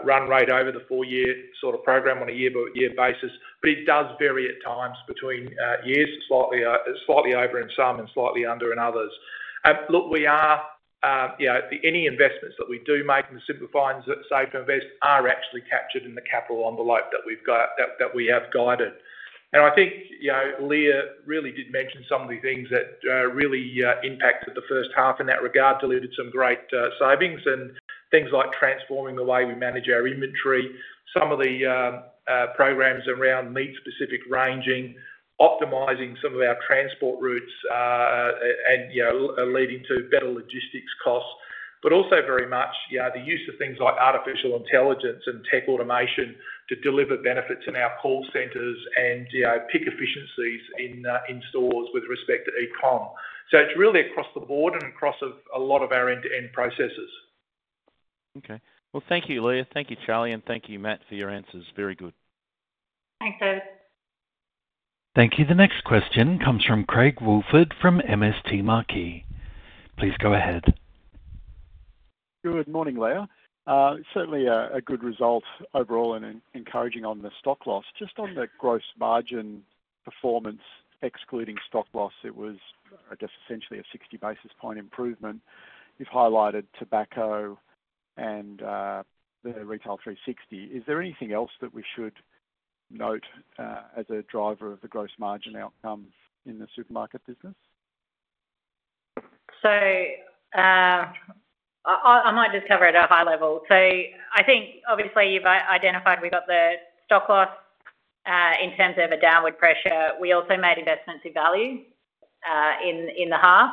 run rate over the four-year sort of program on a year-by-year basis. But it does vary at times between years, slightly over in some and slightly under in others. Look, any investments that we do make in the Simplify and Save to Invest are actually captured in the capital envelope that we have guided. I think Leah really did mention some of the things that really impacted the first half in that regard, delivered some great savings, and things like transforming the way we manage our inventory, some of the programs around meat-specific ranging, optimizing some of our transport routes, and leading to better logistics costs, but also very much the use of things like artificial intelligence and tech automation to deliver benefits in our call centers and peak efficiencies in stores with respect to e-com. So it's really across the board and across a lot of our end-to-end processes. Okay. Well, thank you, Leah. Thank you, Charlie. And thank you, Matt, for your answers. Very good. Thanks, David. Thank you. The next question comes from Craig Woolford from MST Marquee. Please go ahead. Good morning, Leah. Certainly a good result overall and encouraging on the stock loss. Just on the gross margin performance excluding stock loss, it was, I guess, essentially a 60 basis point improvement. You've highlighted tobacco and Coles 360. Is there anything else that we should note as a driver of the gross margin outcome in the supermarket business? So I might just cover it at a high level. So I think, obviously, you've identified we've got the stock loss in terms of a downward pressure. We also made investments in value in the half.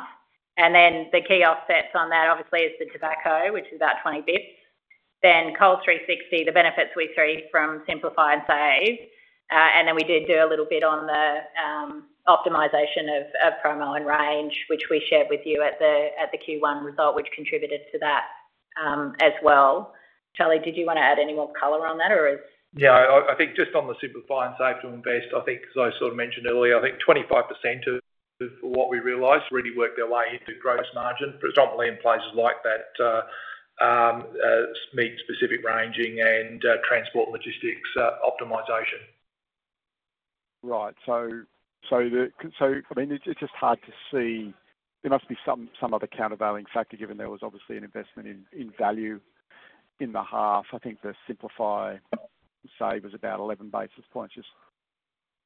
And then the key offsets on that, obviously, is the tobacco, which is about 20 basis points. Then Coles 360, the benefits we see from Simplify and Save. And then we did do a little bit on the optimization of promo and range, which we shared with you at the Q1 result, which contributed to that as well. Charlie, did you want to add any more color on that, or is? Yeah. I think just on the Simplify and Save to Invest, I think, as I sort of mentioned earlier, I think 25% of what we realized really worked their way into gross margin, predominantly in places like that meat-specific ranging and transport logistics optimization. Right. So I mean, it's just hard to see. There must be some other countervailing factor given there was, obviously, an investment in value in the half. I think the Simplify and Save to Invest was about 11 basis points. Just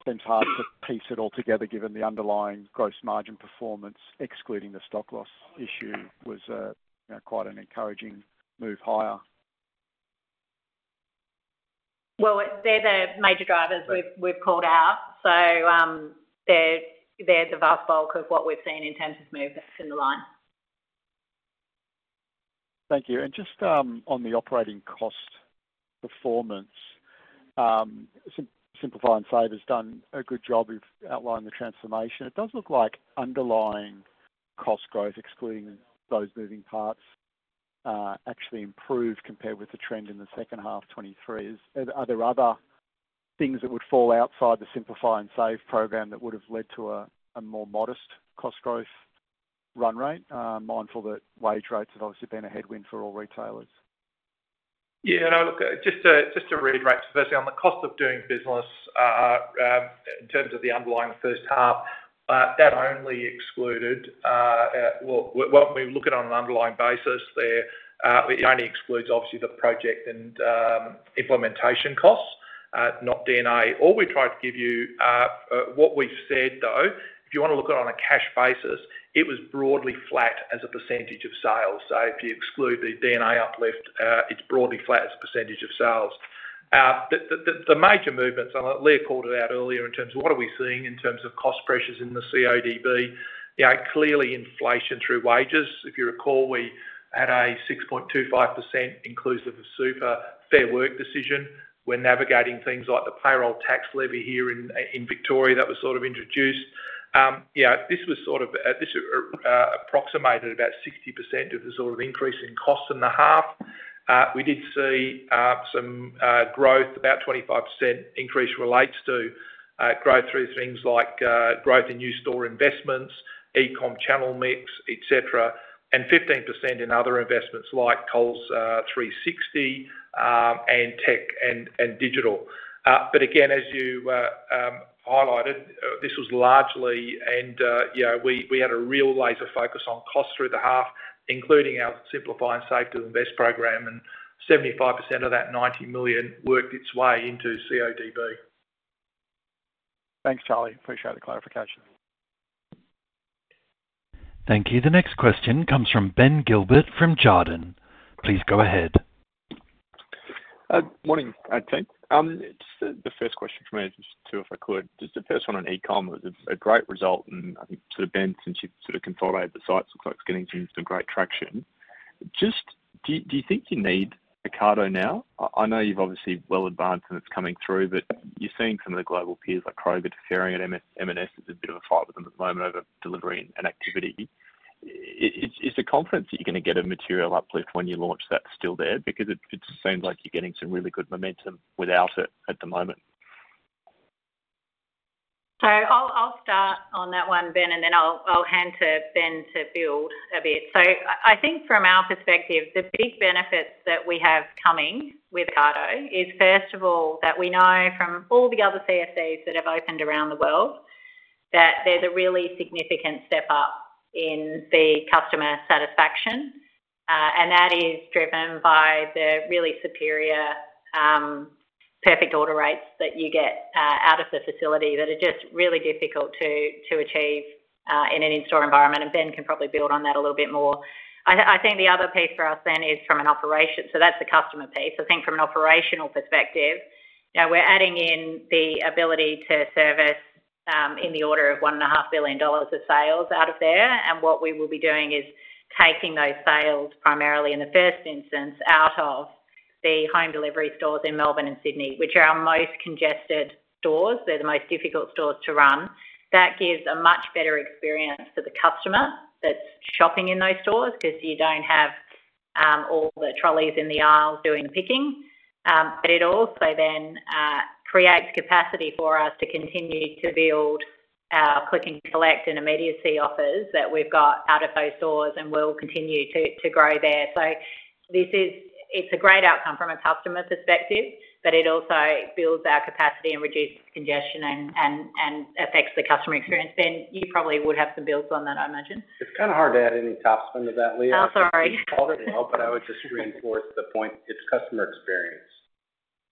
seems hard to piece it all together given the underlying gross margin performance excluding the stock loss issue was quite an encouraging move higher. Well, they're the major drivers we've called out. So they're the vast bulk of what we've seen in terms of movements in the line. Thank you. And just on the operating cost performance, Simplify and Save has done a good job of outlining the transformation. It does look like underlying cost growth excluding those moving parts actually improved compared with the trend in the second half 2023. Are there other things that would fall outside the Simplify and Save program that would have led to a more modest cost growth run rate, mindful that wage rates have, obviously, been a headwind for all retailers? Yeah. And just to reiterate, firstly, on the cost of doing business in terms of the underlying first half, that only excluded well, when we look at it on an underlying basis there, it only excludes, obviously, the project and implementation costs, not D&A. All we tried to give you what we've said, though, if you want to look at it on a cash basis, it was broadly flat as a percentage of sales. So if you exclude the D&A uplift, it's broadly flat as a percentage of sales. The major movements and Leah called it out earlier in terms of what are we seeing in terms of cost pressures in the CODB, clearly inflation through wages. If you recall, we had a 6.25% inclusive of super Fair Work decision. We're navigating things like the payroll tax levy here in Victoria that was sort of introduced. This was sort of this approximated about 60% of the sort of increase in costs in the half. We did see some growth, about 25% increase relates to growth through things like growth in new store investments, e-com channel mix, etc., and 15% in other investments like Coles 360 and tech and digital. But again, as you highlighted, this was largely and we had a real laser focus on costs through the half, including our Simplify and Save to Invest program. And 75% of that 90 million worked its way into CODB. Thanks, Charlie. Appreciate the clarification. Thank you. The next question comes from Ben Gilbert from Jarden. Please go ahead. Morning, team. Just the first question from me, just too, if I could. Just the first one on e-com. It was a great result. And I think sort of Ben, since you've sort of consolidated the sites, looks like it's getting some great traction. Just do you think you need Ocado now? I know you've, obviously, well advanced and it's coming through. But you're seeing some of the global peers like Kroger deferring, and M&S. There's a bit of a fight with them at the moment over delivery and activity. Is the confidence that you're going to get a material uplift when you launch that still there? Because it seems like you're getting some really good momentum without it at the moment. So I'll start on that one, Ben. And then I'll hand to Ben to build a bit. So I think from our perspective, the big benefits that we have coming with Ocado is, first of all, that we know from all the other CFCs that have opened around the world that there's a really significant step up in the customer satisfaction. And that is driven by the really superior perfect order rates that you get out of the facility that are just really difficult to achieve in an in-store environment. And Ben can probably build on that a little bit more. I think the other piece for us, then, is from an operation so that's the customer piece. I think from an operational perspective, we're adding in the ability to service in the order of 1.5 billion dollars of sales out of there. And what we will be doing is taking those sales, primarily in the first instance, out of the home delivery stores in Melbourne and Sydney, which are our most congested stores. They're the most difficult stores to run. That gives a much better experience to the customer that's shopping in those stores because you don't have all the trolleys in the aisles doing the picking. But it also then creates capacity for us to continue to build our click and collect and immediacy offers that we've got out of those stores and will continue to grow there. So it's a great outcome from a customer perspective. But it also builds our capacity and reduces congestion and affects the customer experience. Ben, you probably would have some builds on that, I imagine. It's kind of hard to add any top spin to that, Leah. Oh, sorry. I hope I would just reinforce the point. It's customer experience,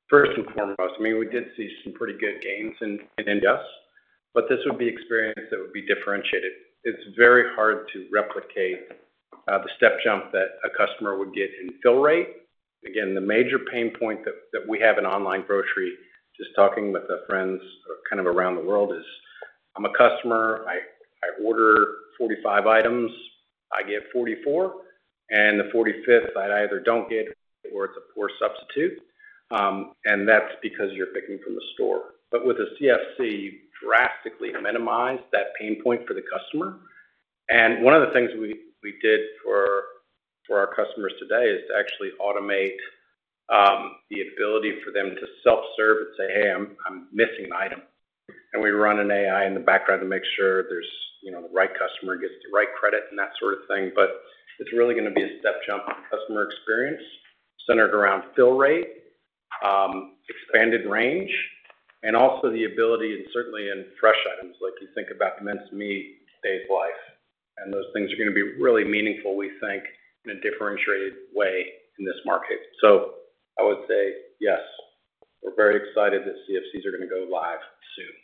first and foremost. I mean, we did see some pretty good gains in. Yes. But this would be experience that would be differentiated. It's very hard to replicate the step jump that a customer would get in fill rate. Again, the major pain point that we have in online grocery, just talking with friends kind of around the world, is I'm a customer. I order 45 items. I get 44. And the 45th, I either don't get or it's a poor substitute. And that's because you're picking from the store. But with a CFC, you drastically minimize that pain point for the customer. And one of the things we did for our customers today is to actually automate the ability for them to self-serve and say, "Hey, I'm missing an item." And we run an AI in the background to make sure the right customer gets the right credit and that sort of thing. But it's really going to be a step jump in customer experience centered around fill rate, expanded range, and also the ability and certainly in fresh items, like you think about mince meat days life. Those things are going to be really meaningful, we think, in a differentiated way in this market. So I would say yes. We're very excited that CFCs are going to go live soon.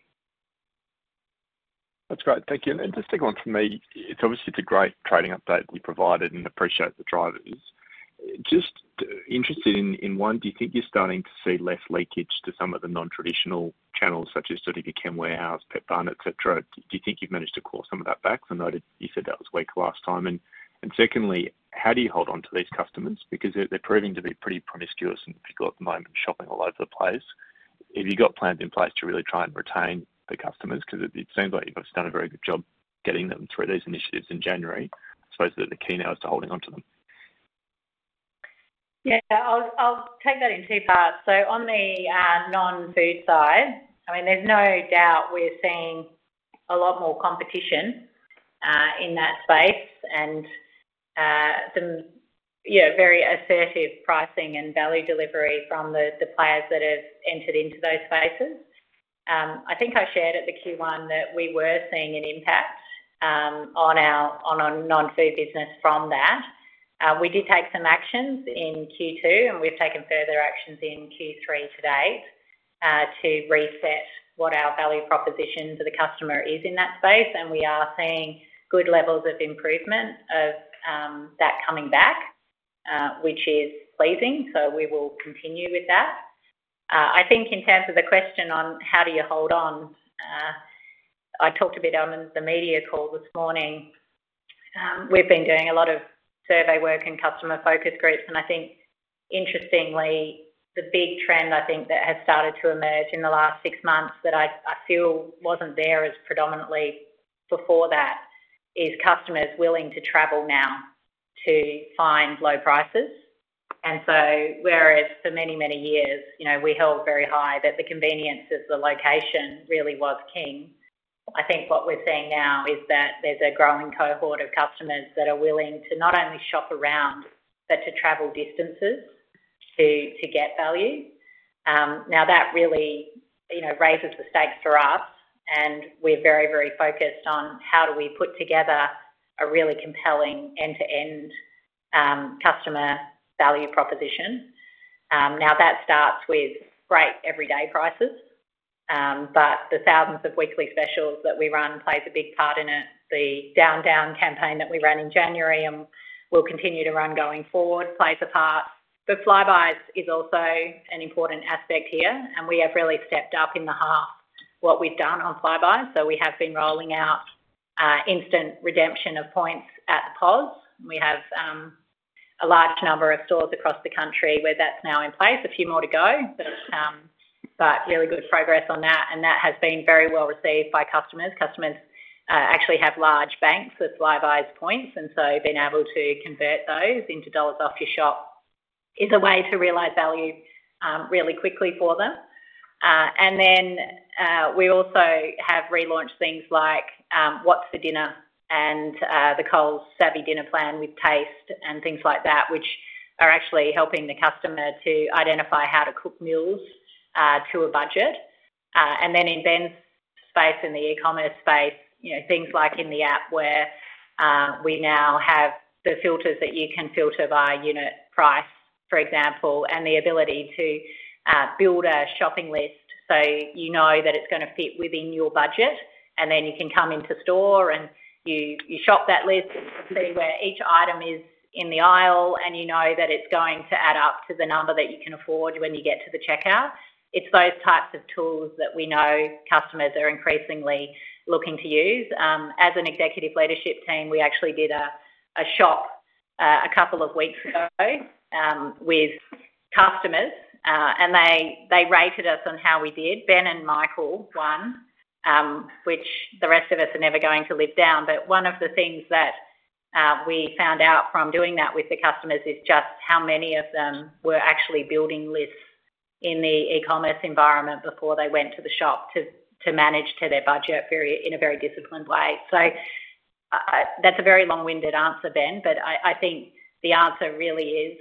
That's great. Thank you. And just take one from me. It's, obviously, it's a great trading update that you provided and appreciate the drivers. Just interested in one, do you think you're starting to see less leakage to some of the non-traditional channels such as sort of your Amazon warehouse, Petbarn, etc.? Do you think you've managed to claw some of that back? I noted you said that was weak last time. And secondly, how do you hold onto these customers? Because they're proving to be pretty promiscuous and people at the moment shopping all over the place. Have you got plans in place to really try and retain the customers? Because it seems like you've obviously done a very good job getting them through these initiatives in January. I suppose that the key now is to holding onto them. Yeah. I'll take that in two parts. On the non-food side, I mean, there's no doubt we're seeing a lot more competition in that space and some very assertive pricing and value delivery from the players that have entered into those spaces. I think I shared at the Q1 that we were seeing an impact on our non-food business from that. We did take some actions in Q2. We've taken further actions in Q3 to date to reset what our value proposition to the customer is in that space. We are seeing good levels of improvement of that coming back, which is pleasing. We will continue with that. I think in terms of the question on how do you hold on, I talked a bit on the media call this morning. We've been doing a lot of survey work and customer focus groups. I think, interestingly, the big trend, I think, that has started to emerge in the last six months that I feel wasn't there as predominantly before that is customers willing to travel now to find low prices. So whereas for many, many years, we held very high that the convenience of the location really was king, I think what we're seeing now is that there's a growing cohort of customers that are willing to not only shop around but to travel distances to get value. Now, that really raises the stakes for us. We're very, very focused on how do we put together a really compelling end-to-end customer value proposition. Now, that starts with great everyday prices. But the thousands of weekly specials that we run play a big part in it. The Down Down campaign that we ran in January and will continue to run going forward plays a part. But Flybuys is also an important aspect here. And we have really stepped up in the half what we've done on Flybuys. So we have been rolling out instant redemption of points at the POS. We have a large number of stores across the country where that's now in place. A few more to go. But really good progress on that. And that has been very well received by customers. Customers actually have large banks of Flybuys points. And so being able to convert those into dollars off your shop is a way to realize value really quickly for them. And then we also have relaunched things like What's for Dinner and the Coles Savvy Dinner Plan with Taste and things like that, which are actually helping the customer to identify how to cook meals to a budget. And then in Ben's space, in the e-commerce space, things like in the app where we now have the filters that you can filter by unit price, for example, and the ability to build a shopping list so you know that it's going to fit within your budget. And then you can come into store and you shop that list and see where each item is in the aisle. And you know that it's going to add up to the number that you can afford when you get to the checkout. It's those types of tools that we know customers are increasingly looking to use. As an executive leadership team, we actually did a shop a couple of weeks ago with customers. They rated us on how we did. Ben and Michael won, which the rest of us are never going to live down. But one of the things that we found out from doing that with the customers is just how many of them were actually building lists in the e-commerce environment before they went to the shop to manage to their budget in a very disciplined way. That's a very long-winded answer, Ben. But I think the answer really is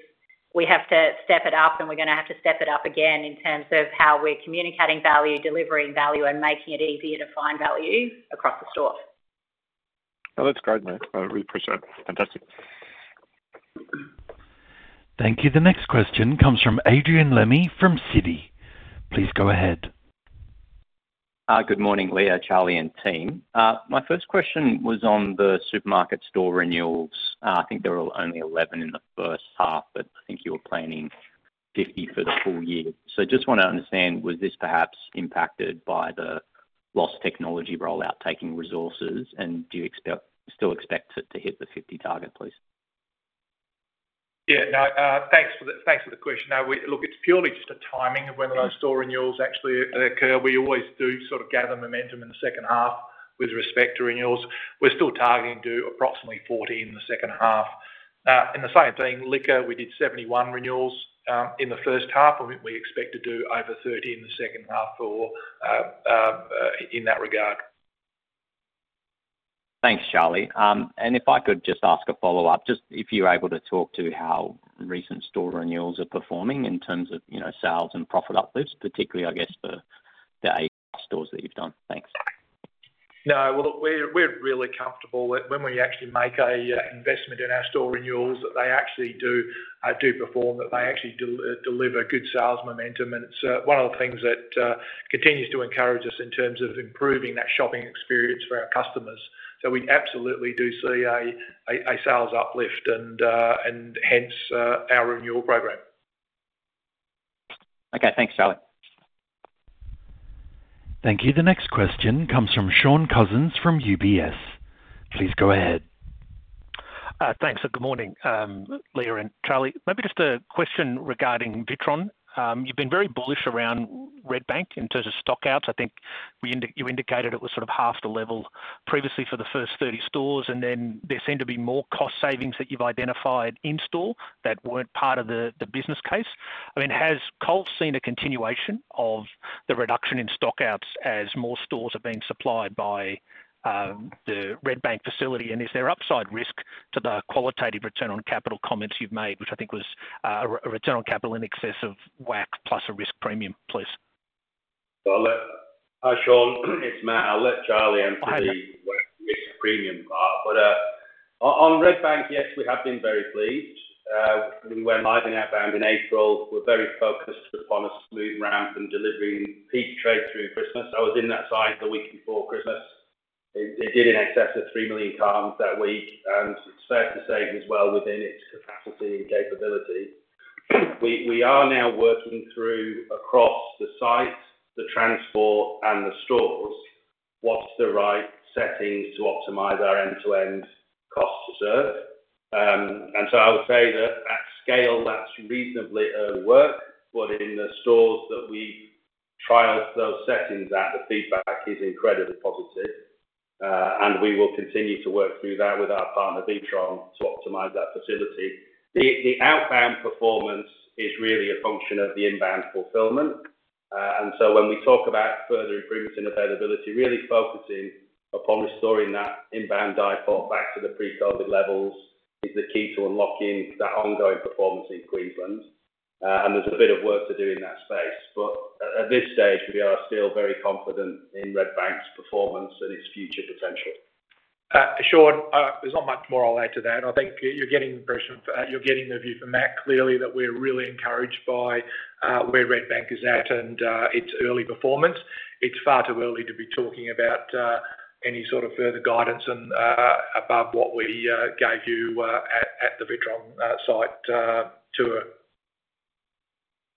we have to step it up. We're going to have to step it up again in terms of how we're communicating value, delivering value, and making it easier to find value across the store. That's great, Matt. I really appreciate it. Fantastic. Thank you. The next question comes from Adrian Lemme from Citi. Please go ahead. Good morning, Leah, Charlie, and team. My first question was on the supermarket store renewals. I think there were only 11 in the first half. But I think you were planning 50 for the full year. So I just want to understand, was this perhaps impacted by the lost technology rollout, taking resources? And do you still expect to hit the 50 target, please? Yeah. No. Thanks for the question. No. Look, it's purely just a timing of when those store renewals actually occur. We always do sort of gather momentum in the second half with respect to renewals. We're still targeting to do approximately 40 in the second half. In the same thing, liquor, we did 71 renewals in the first half. And we expect to do over 30 in the second half in that regard. Thanks, Charlie. And if I could just ask a follow-up, just if you're able to talk to how recent store renewals are performing in terms of sales and profit uplifts, particularly, I guess, for the e-commerce stores that you've done. Thanks. No. Well, look, we're really comfortable that when we actually make an investment in our store renewals, that they actually do perform, that they actually deliver good sales momentum. And it's one of the things that continues to encourage us in terms of improving that shopping experience for our customers. So we absolutely do see a sales uplift and hence our renewal program. Okay. Thanks, Charlie. Thank you. The next question comes from Shaun Cousins from UBS. Please go ahead. Thanks. Good morning, Leah and Charlie. Maybe just a question regarding Witron. You've been very bullish around Redbank in terms of stockouts. I think you indicated it was sort of half the level previously for the first 30 stores. Then there seem to be more cost savings that you've identified in store that weren't part of the business case. I mean, has Coles seen a continuation of the reduction in stockouts as more stores are being supplied by the Redbank facility? And is there upside risk to the qualitative return on capital comments you've made, which I think was a return on capital in excess of WACC plus a risk premium, please? Shaun, it's Matt. I'll let Charlie answer the WACC risk premium part. But on Redbank, yes, we have been very pleased. We went live in our ADC in April. We're very focused upon a smooth ramp and delivering peak trade through Christmas. I was in that site the week before Christmas. It did in excess of 3 million cartons that week. It's fair to say it was well within its capacity and capability. We are now working through across the site, the transport, and the stores what's the right settings to optimize our end-to-end cost to serve. I would say that at scale, that's reasonably early work. In the stores that we've trialed those settings at, the feedback is incredibly positive. We will continue to work through that with our partner, Witron, to optimize that facility. The outbound performance is really a function of the inbound fulfillment. When we talk about further improvements in availability, really focusing upon restoring that inbound DIFOT back to the pre-COVID levels is the key to unlocking that ongoing performance in Queensland. There's a bit of work to do in that space. But at this stage, we are still very confident in Redbank's performance and its future potential. Shaun, there's not much more I'll add to that. I think you're getting the impression you're getting the view from Matt, clearly, that we're really encouraged by where Redbank is at and its early performance. It's far too early to be talking about any sort of further guidance above what we gave you at the Witron site tour.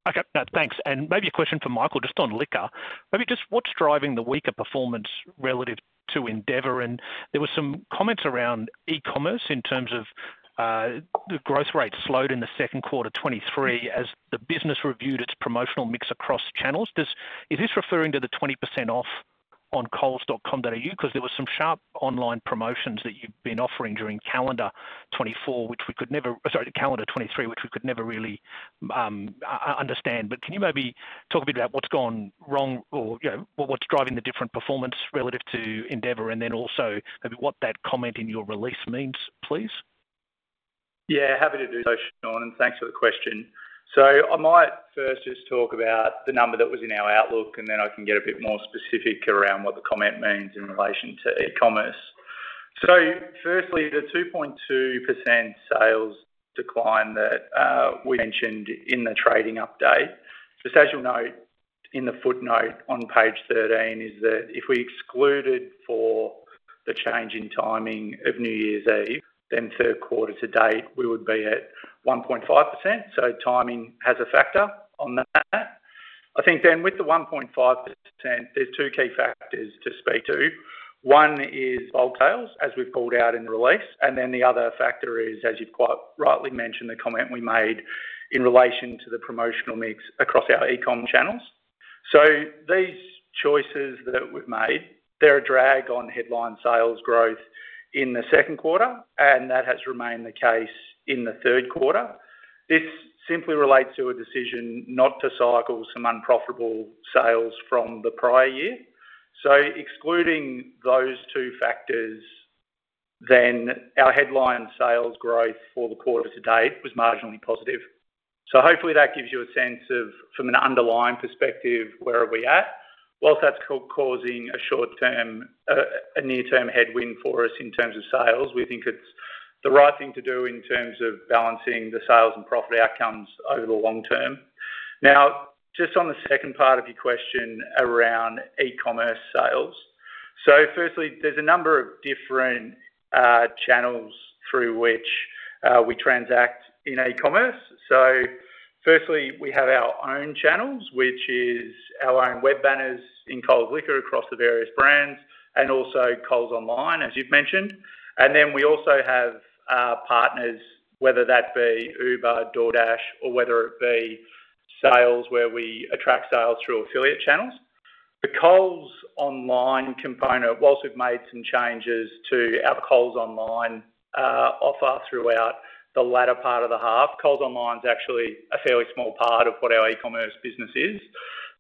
Okay. No. Thanks. Maybe a question for Michael just on liquor. Maybe just what's driving the weaker performance relative to Endeavour? And there were some comments around e-commerce in terms of the growth rate slowed in the second quarter 2023 as the business reviewed its promotional mix across channels. Is this referring to the 20% off on coles.com.au? Because there were some sharp online promotions that you've been offering during calendar 2024, which we could never sorry, calendar 2023, which we could never really understand. But can you maybe talk a bit about what's gone wrong or what's driving the different performance relative to Endeavour? And then also maybe what that comment in your release means, please? Yeah. Happy to do so, Shaun. And thanks for the question. So I might first just talk about the number that was in our outlook. And then I can get a bit more specific around what the comment means in relation to e-commerce. So firstly, the 2.2% sales decline that we mentioned in the trading update. Just as you'll note in the footnote on page 13 is that if we excluded for the change in timing of New Year's Eve, then third quarter to date, we would be at 1.5%. Timing has a factor on that. I think then with the 1.5%, there's two key factors to speak to. One is bulk sales, as we've called out in the release. Then the other factor is, as you've quite rightly mentioned, the comment we made in relation to the promotional mix across our e-com channels. These choices that we've made, they're a drag on headline sales growth in the second quarter. And that has remained the case in the third quarter. This simply relates to a decision not to cycle some unprofitable sales from the prior year. Excluding those two factors, then our headline sales growth for the quarter to date was marginally positive. Hopefully, that gives you a sense of, from an underlying perspective, where are we at? While that's causing a near-term headwind for us in terms of sales, we think it's the right thing to do in terms of balancing the sales and profit outcomes over the long term. Now, just on the second part of your question around e-commerce sales, so firstly, there's a number of different channels through which we transact in e-commerce. So firstly, we have our own channels, which is our own web banners in Coles Liquor across the various brands and also Coles Online, as you've mentioned. And then we also have partners, whether that be Uber, DoorDash, or whether it be sales where we attract sales through affiliate channels. The Coles Online component, while we've made some changes to our Coles Online offer throughout the latter part of the half, Coles Online's actually a fairly small part of what our e-commerce business is.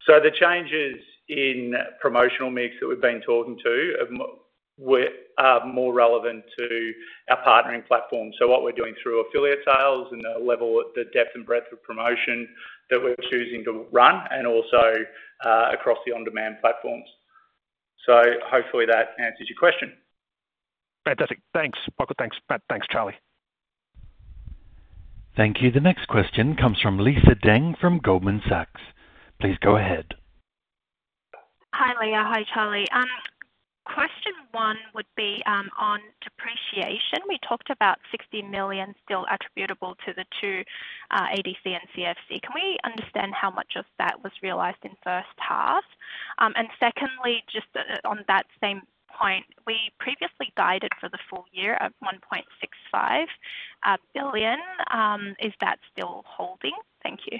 So the changes in promotional mix that we've been talking to are more relevant to our partnering platform. So what we're doing through affiliate sales and the depth and breadth of promotion that we're choosing to run and also across the on-demand platforms. So hopefully, that answers your question. Fantastic. Thanks, Michael. Thanks, Matt. Thanks, Charlie. Thank you. The next question comes from Lisa Deng from Goldman Sachs. Please go ahead. Hi, Leah. Hi, Charlie. Question one would be on depreciation. We talked about 60 million still attributable to the two ADC and CFC. Can we understand how much of that was realized in first half? And secondly, just on that same point, we previously guided for the full year at 1.65 billion. Is that still holding? Thank you.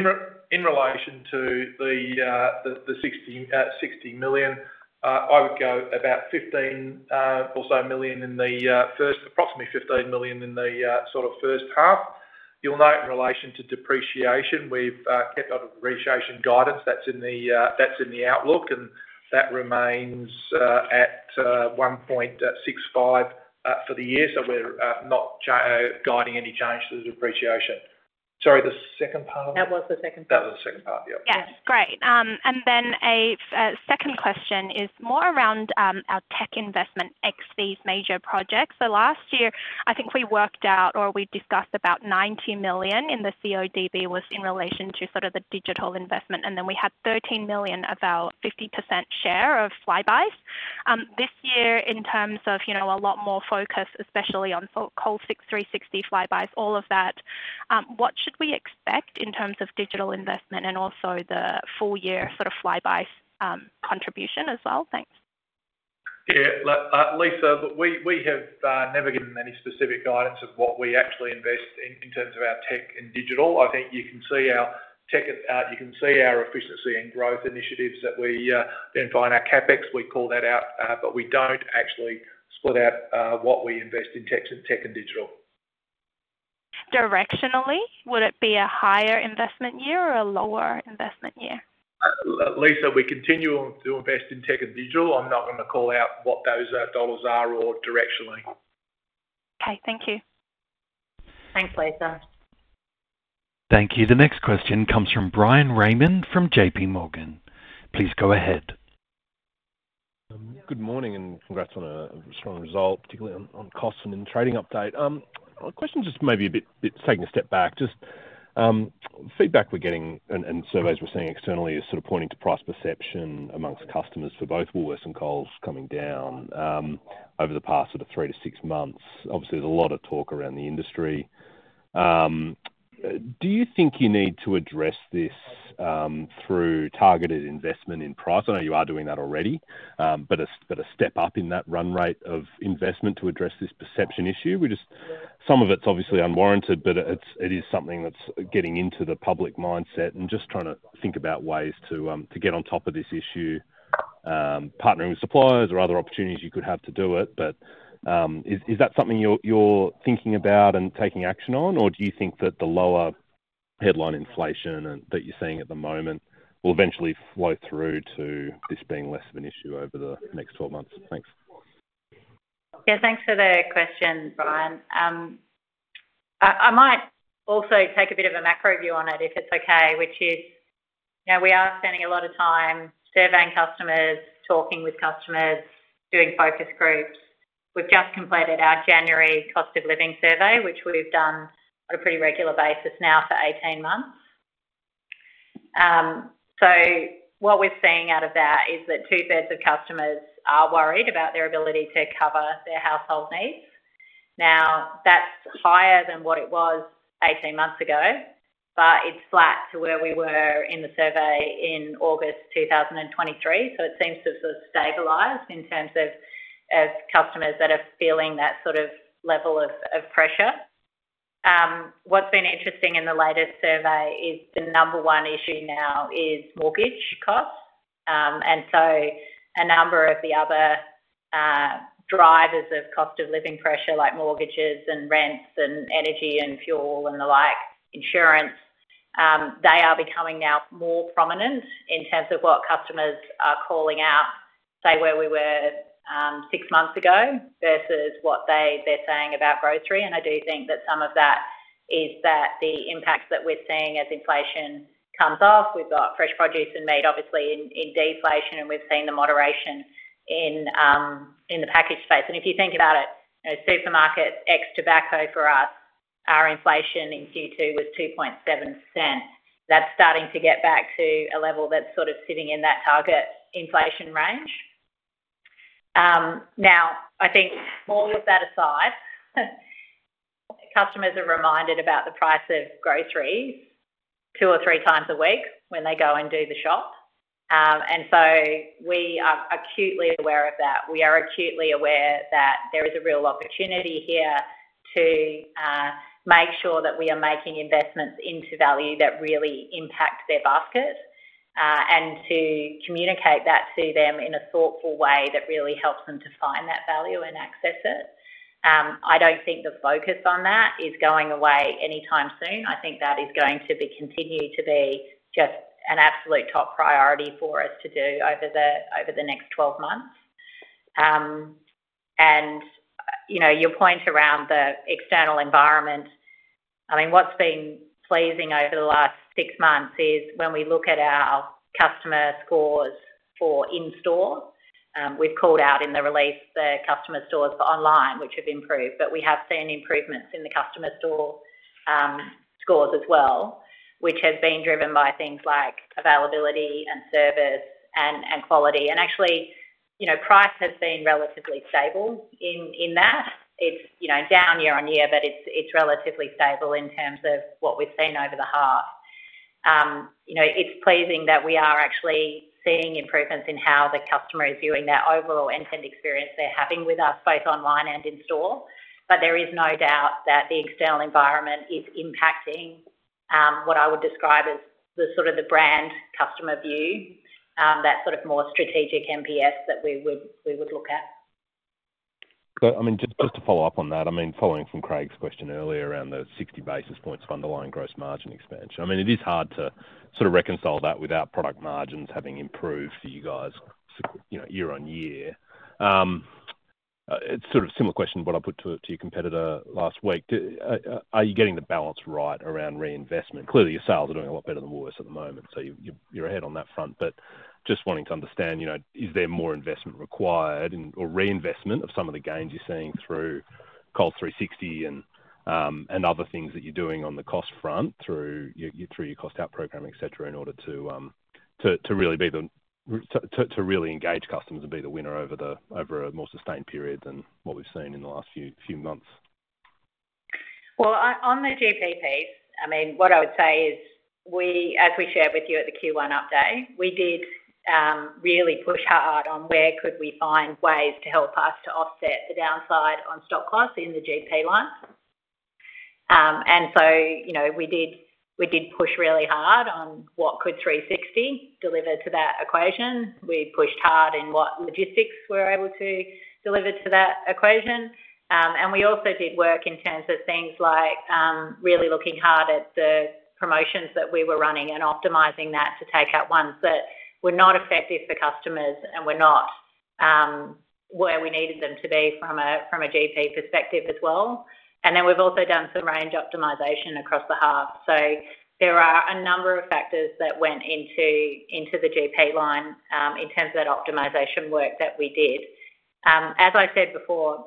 In relation to the 60 million, I would go about 15 million or so in the first approximately 15 million in the sort of first half. You'll note, in relation to depreciation, we've kept our depreciation guidance. That's in the outlook. That remains at 1.65 billion for the year. So we're not guiding any change to the depreciation. Sorry, the second part of that? That was the second part. That was the second part. Yeah. Yeah. Great. Then a second question is more around our tech investment, ex these major projects. So last year, I think we worked out or we discussed about 90 million in the CODB was in relation to sort of the digital investment. And then we had 13 million of our 50% share of Flybuys. This year, in terms of a lot more focus, especially on Coles 360 Flybuys, all of that, what should we expect in terms of digital investment and also the full-year sort of Flybuys contribution as well? Thanks. Yeah. Lisa, look, we have never given any specific guidance of what we actually invest in terms of our tech and digital. I think you can see our tech you can see our efficiency and growth initiatives that we then find our CapEx. We call that out. But we don't actually split out what we invest in tech and digital. Directionally, would it be a higher investment year or a lower investment year? Lisa, we continue to invest in tech and digital. I'm not going to call out what those dollars are or directionally. Okay. Thank you. Thanks, Lisa. Thank you. The next question comes from Bryan Raymond from JPMorgan. Please go ahead. Good morning. Congrats on a strong result, particularly on costs and in the trading update. Question just maybe a bit taking a step back. Just feedback we're getting and surveys we're seeing externally is sort of pointing to price perception amongst customers for both Woolworths and Coles coming down over the past sort of three to six months. Obviously, there's a lot of talk around the industry. Do you think you need to address this through targeted investment in price? I know you are doing that already. But a step up in that run rate of investment to address this perception issue? Some of it's obviously unwarranted. But it is something that's getting into the public mindset. And just trying to think about ways to get on top of this issue, partnering with suppliers or other opportunities you could have to do it. But is that something you're thinking about and taking action on? Or do you think that the lower headline inflation that you're seeing at the moment will eventually flow through to this being less of an issue over the next 12 months? Thanks. Yeah. Thanks for the question, Bryan. I might also take a bit of a macro view on it, if it's okay, which is we are spending a lot of time surveying customers, talking with customers, doing focus groups. We've just completed our January cost of living survey, which we've done on a pretty regular basis now for 18 months. So what we're seeing out of that is that two-thirds of customers are worried about their ability to cover their household needs. Now, that's higher than what it was 18 months ago. But it's flat to where we were in the survey in August 2023. So it seems to have sort of stabilized in terms of customers that are feeling that sort of level of pressure. What's been interesting in the latest survey is the number one issue now is mortgage costs. And so a number of the other drivers of cost of living pressure, like mortgages and rents and energy and fuel and the like, insurance, they are becoming now more prominent in terms of what customers are calling out, say, where we were six months ago versus what they're saying about grocery. And I do think that some of that is the impact that we're seeing as inflation comes off. We've got fresh produce and meat, obviously, in deflation. And we've seen the moderation in the package space. And if you think about it, supermarkets, ex-tobacco for us, our inflation in Q2 was 2.7%. That's starting to get back to a level that's sort of sitting in that target inflation range. Now, I think all of that aside, customers are reminded about the price of groceries two or three times a week when they go and do the shop. And so we are acutely aware of that. We are acutely aware that there is a real opportunity here to make sure that we are making investments into value that really impact their basket and to communicate that to them in a thoughtful way that really helps them to find that value and access it. I don't think the focus on that is going away anytime soon. I think that is going to continue to be just an absolute top priority for us to do over the next 12 months. Your point around the external environment, I mean, what's been pleasing over the last six months is when we look at our customer scores for in-store, we've called out in the release the customer scores for online, which have improved. But we have seen improvements in the customer store scores as well, which have been driven by things like availability and service and quality. And actually, price has been relatively stable in that. It's down year-on-year. But it's relatively stable in terms of what we've seen over the half. It's pleasing that we are actually seeing improvements in how the customer is viewing that overall end-to-end experience they're having with us, both online and in-store. But there is no doubt that the external environment is impacting what I would describe as sort of the brand customer view, that sort of more strategic NPS that we would look at. I mean, just to follow up on that, I mean, following from Craig's question earlier around the 60 basis points for underlying gross margin expansion, I mean, it is hard to sort of reconcile that without product margins having improved for you guys year-over-year. It's sort of a similar question to what I put to your competitor last week. Are you getting the balance right around reinvestment? Clearly, your sales are doing a lot better than Woolworths at the moment. So you're ahead on that front. But just wanting to understand, is there more investment required or reinvestment of some of the gains you're seeing through Coles 360 and other things that you're doing on the cost front through your cost-out programming, etc., in order to really be to really engage customers and be the winner over a more sustained period than what we've seen in the last few months? Well, on the GP piece, I mean, what I would say is, as we shared with you at the Q1 update, we did really push hard on where could we find ways to help us to offset the downside on stock costs in the GP line. And so we did push really hard on what could 360 deliver to that equation. We pushed hard in what logistics we're able to deliver to that equation. We also did work in terms of things like really looking hard at the promotions that we were running and optimizing that to take out ones that were not effective for customers and were not where we needed them to be from a GP perspective as well. Then we've also done some range optimization across the half. There are a number of factors that went into the GP line in terms of that optimization work that we did. As I said before,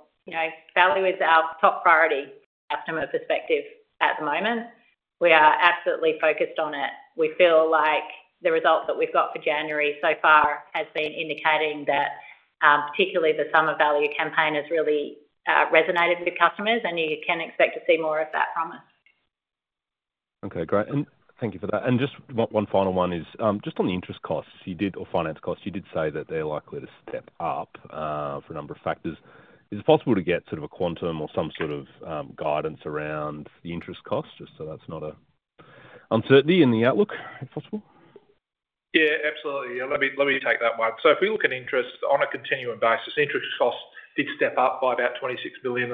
value is our top priority from a customer perspective at the moment. We are absolutely focused on it. We feel like the result that we've got for January so far has been indicating that particularly the summer value campaign has really resonated with customers. You can expect to see more of that promise. Okay. Great. Thank you for that. Just one final one is just on the interest costs, or finance costs, you did say that they're likely to step up for a number of factors. Is it possible to get sort of a quantum or some sort of guidance around the interest costs just so that's not an uncertainty in the outlook, if possible? Yeah. Absolutely. Yeah. Let me take that one. So if we look at interest on a continuum basis, interest costs did step up by about 26.5 million.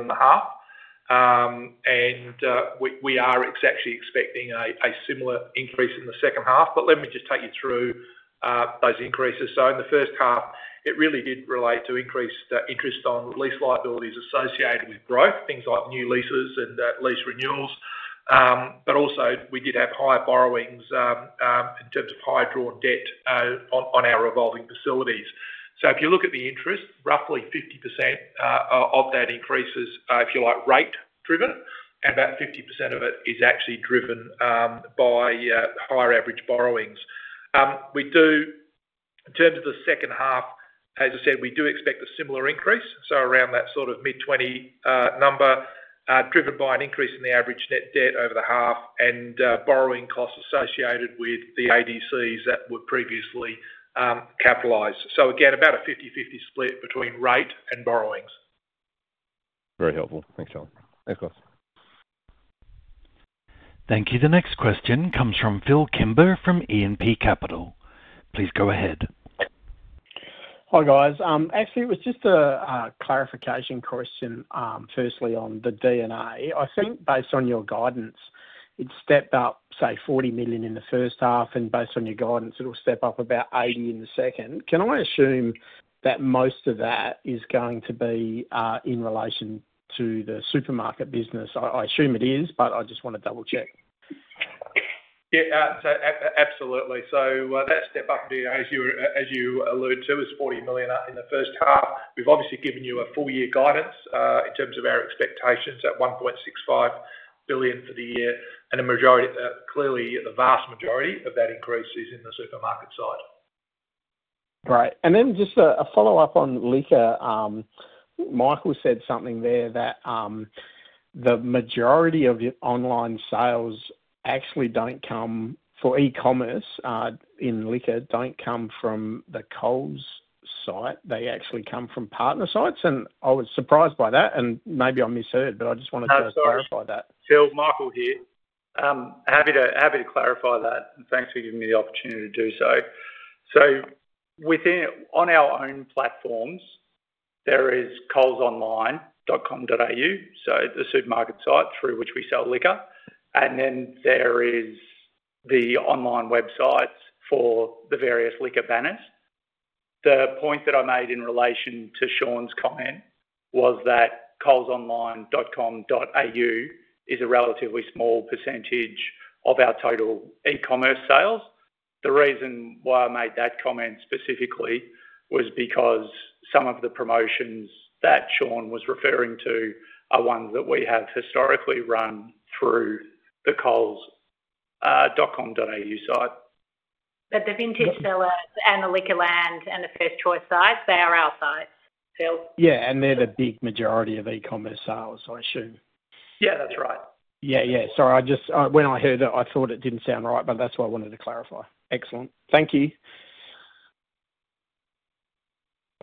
We are actually expecting a similar increase in the second half. But let me just take you through those increases. So in the first half, it really did relate to increased interest on lease liabilities associated with growth, things like new leases and lease renewals. But also, we did have higher borrowings in terms of higher drawn debt on our revolving facilities. So if you look at the interest, roughly 50% of that increase is, if you like, rate-driven. And about 50% of it is actually driven by higher average borrowings. In terms of the second half, as I said, we do expect a similar increase, so around that sort of mid-20 number, driven by an increase in the average net debt over the half and borrowing costs associated with the ADCs that were previously capitalized. So again, about a 50/50 split between rate and borrowings. Very helpful. Thanks, Charlie. Thanks, guys. Thank you. The next question comes from Phil Kimber from E&P Capital. Please go ahead. Hi, guys. Actually, it was just a clarification question, firstly, on the D&A. I think, based on your guidance, it stepped up, say, 40 million in the first half. And based on your guidance, it'll step up about 80 million in the second. Can I assume that most of that is going to be in relation to the supermarket business? I assume it is. But I just want to double-check. Yeah. Absolutely. So that step up, as you alluded to, is AUD 40 million in the first half. We've obviously given you a full-year guidance in terms of our expectations at 1.65 billion for the year. And clearly, the vast majority of that increase is in the supermarket side. Great. And then just a follow-up on Liquor. Michael said something there that the majority of your online sales actually don't come for e-commerce in Liquor don't come from the Coles site. They actually come from partner sites. And I was surprised by that. And maybe I misheard. But I just wanted to clarify that. No, sorry. Phil, Michael here. Happy to clarify that. And thanks for giving me the opportunity to do so. So on our own platforms, there is colesonline.com.au, so the supermarket site through which we sell liquor. And then there is the online websites for the various liquor banners. The point that I made in relation to Shaun's comment was that colesonline.com.au is a relatively small percentage of our total e-commerce sales. The reason why I made that comment specifically was because some of the promotions that Shaun was referring to are ones that we have historically run through the coles.com.au site. But the Vintage Cellars and the Liquorland and the First Choice sites, they are our sites, Phil? Yeah. And they're the big majority of e-commerce sales, I assume. Yeah. That's right. Yeah. Yeah. Sorry. When I heard it, I thought it didn't sound right. But that's why I wanted to clarify. Excellent. Thank you.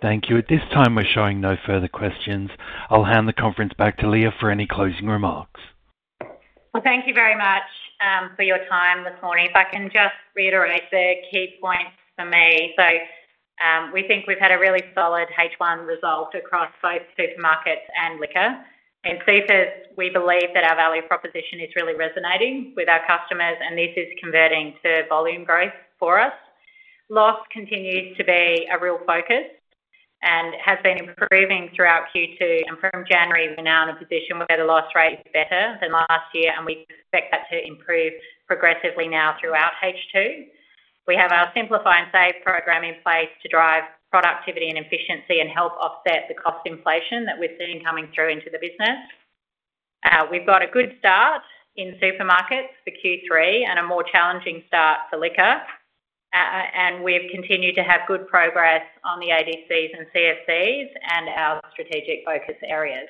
Thank you. At this time, we're showing no further questions. I'll hand the conference back to Leah for any closing remarks. Well, thank you very much for your time this morning. If I can just reiterate the key points for me. So we think we've had a really solid H1 result across both Supermarkets and Liquor. And in CFCs, we believe that our value proposition is really resonating with our customers. This is converting to volume growth for us. Loss continues to be a real focus and has been improving throughout Q2. From January, we're now in a position where the loss rate is better than last year. We expect that to improve progressively now throughout H2. We have our Simplify and Save program in place to drive productivity and efficiency and help offset the cost inflation that we're seeing coming through into the business. We've got a good start in Supermarkets for Q3 and a more challenging start for Liquor. We've continued to have good progress on the ADCs and CFCs and our strategic focus areas.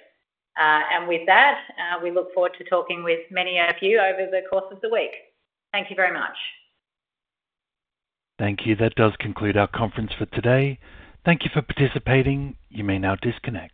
With that, we look forward to talking with many of you over the course of the week. Thank you very much. Thank you. That does conclude our conference for today. Thank you for participating. You may now disconnect.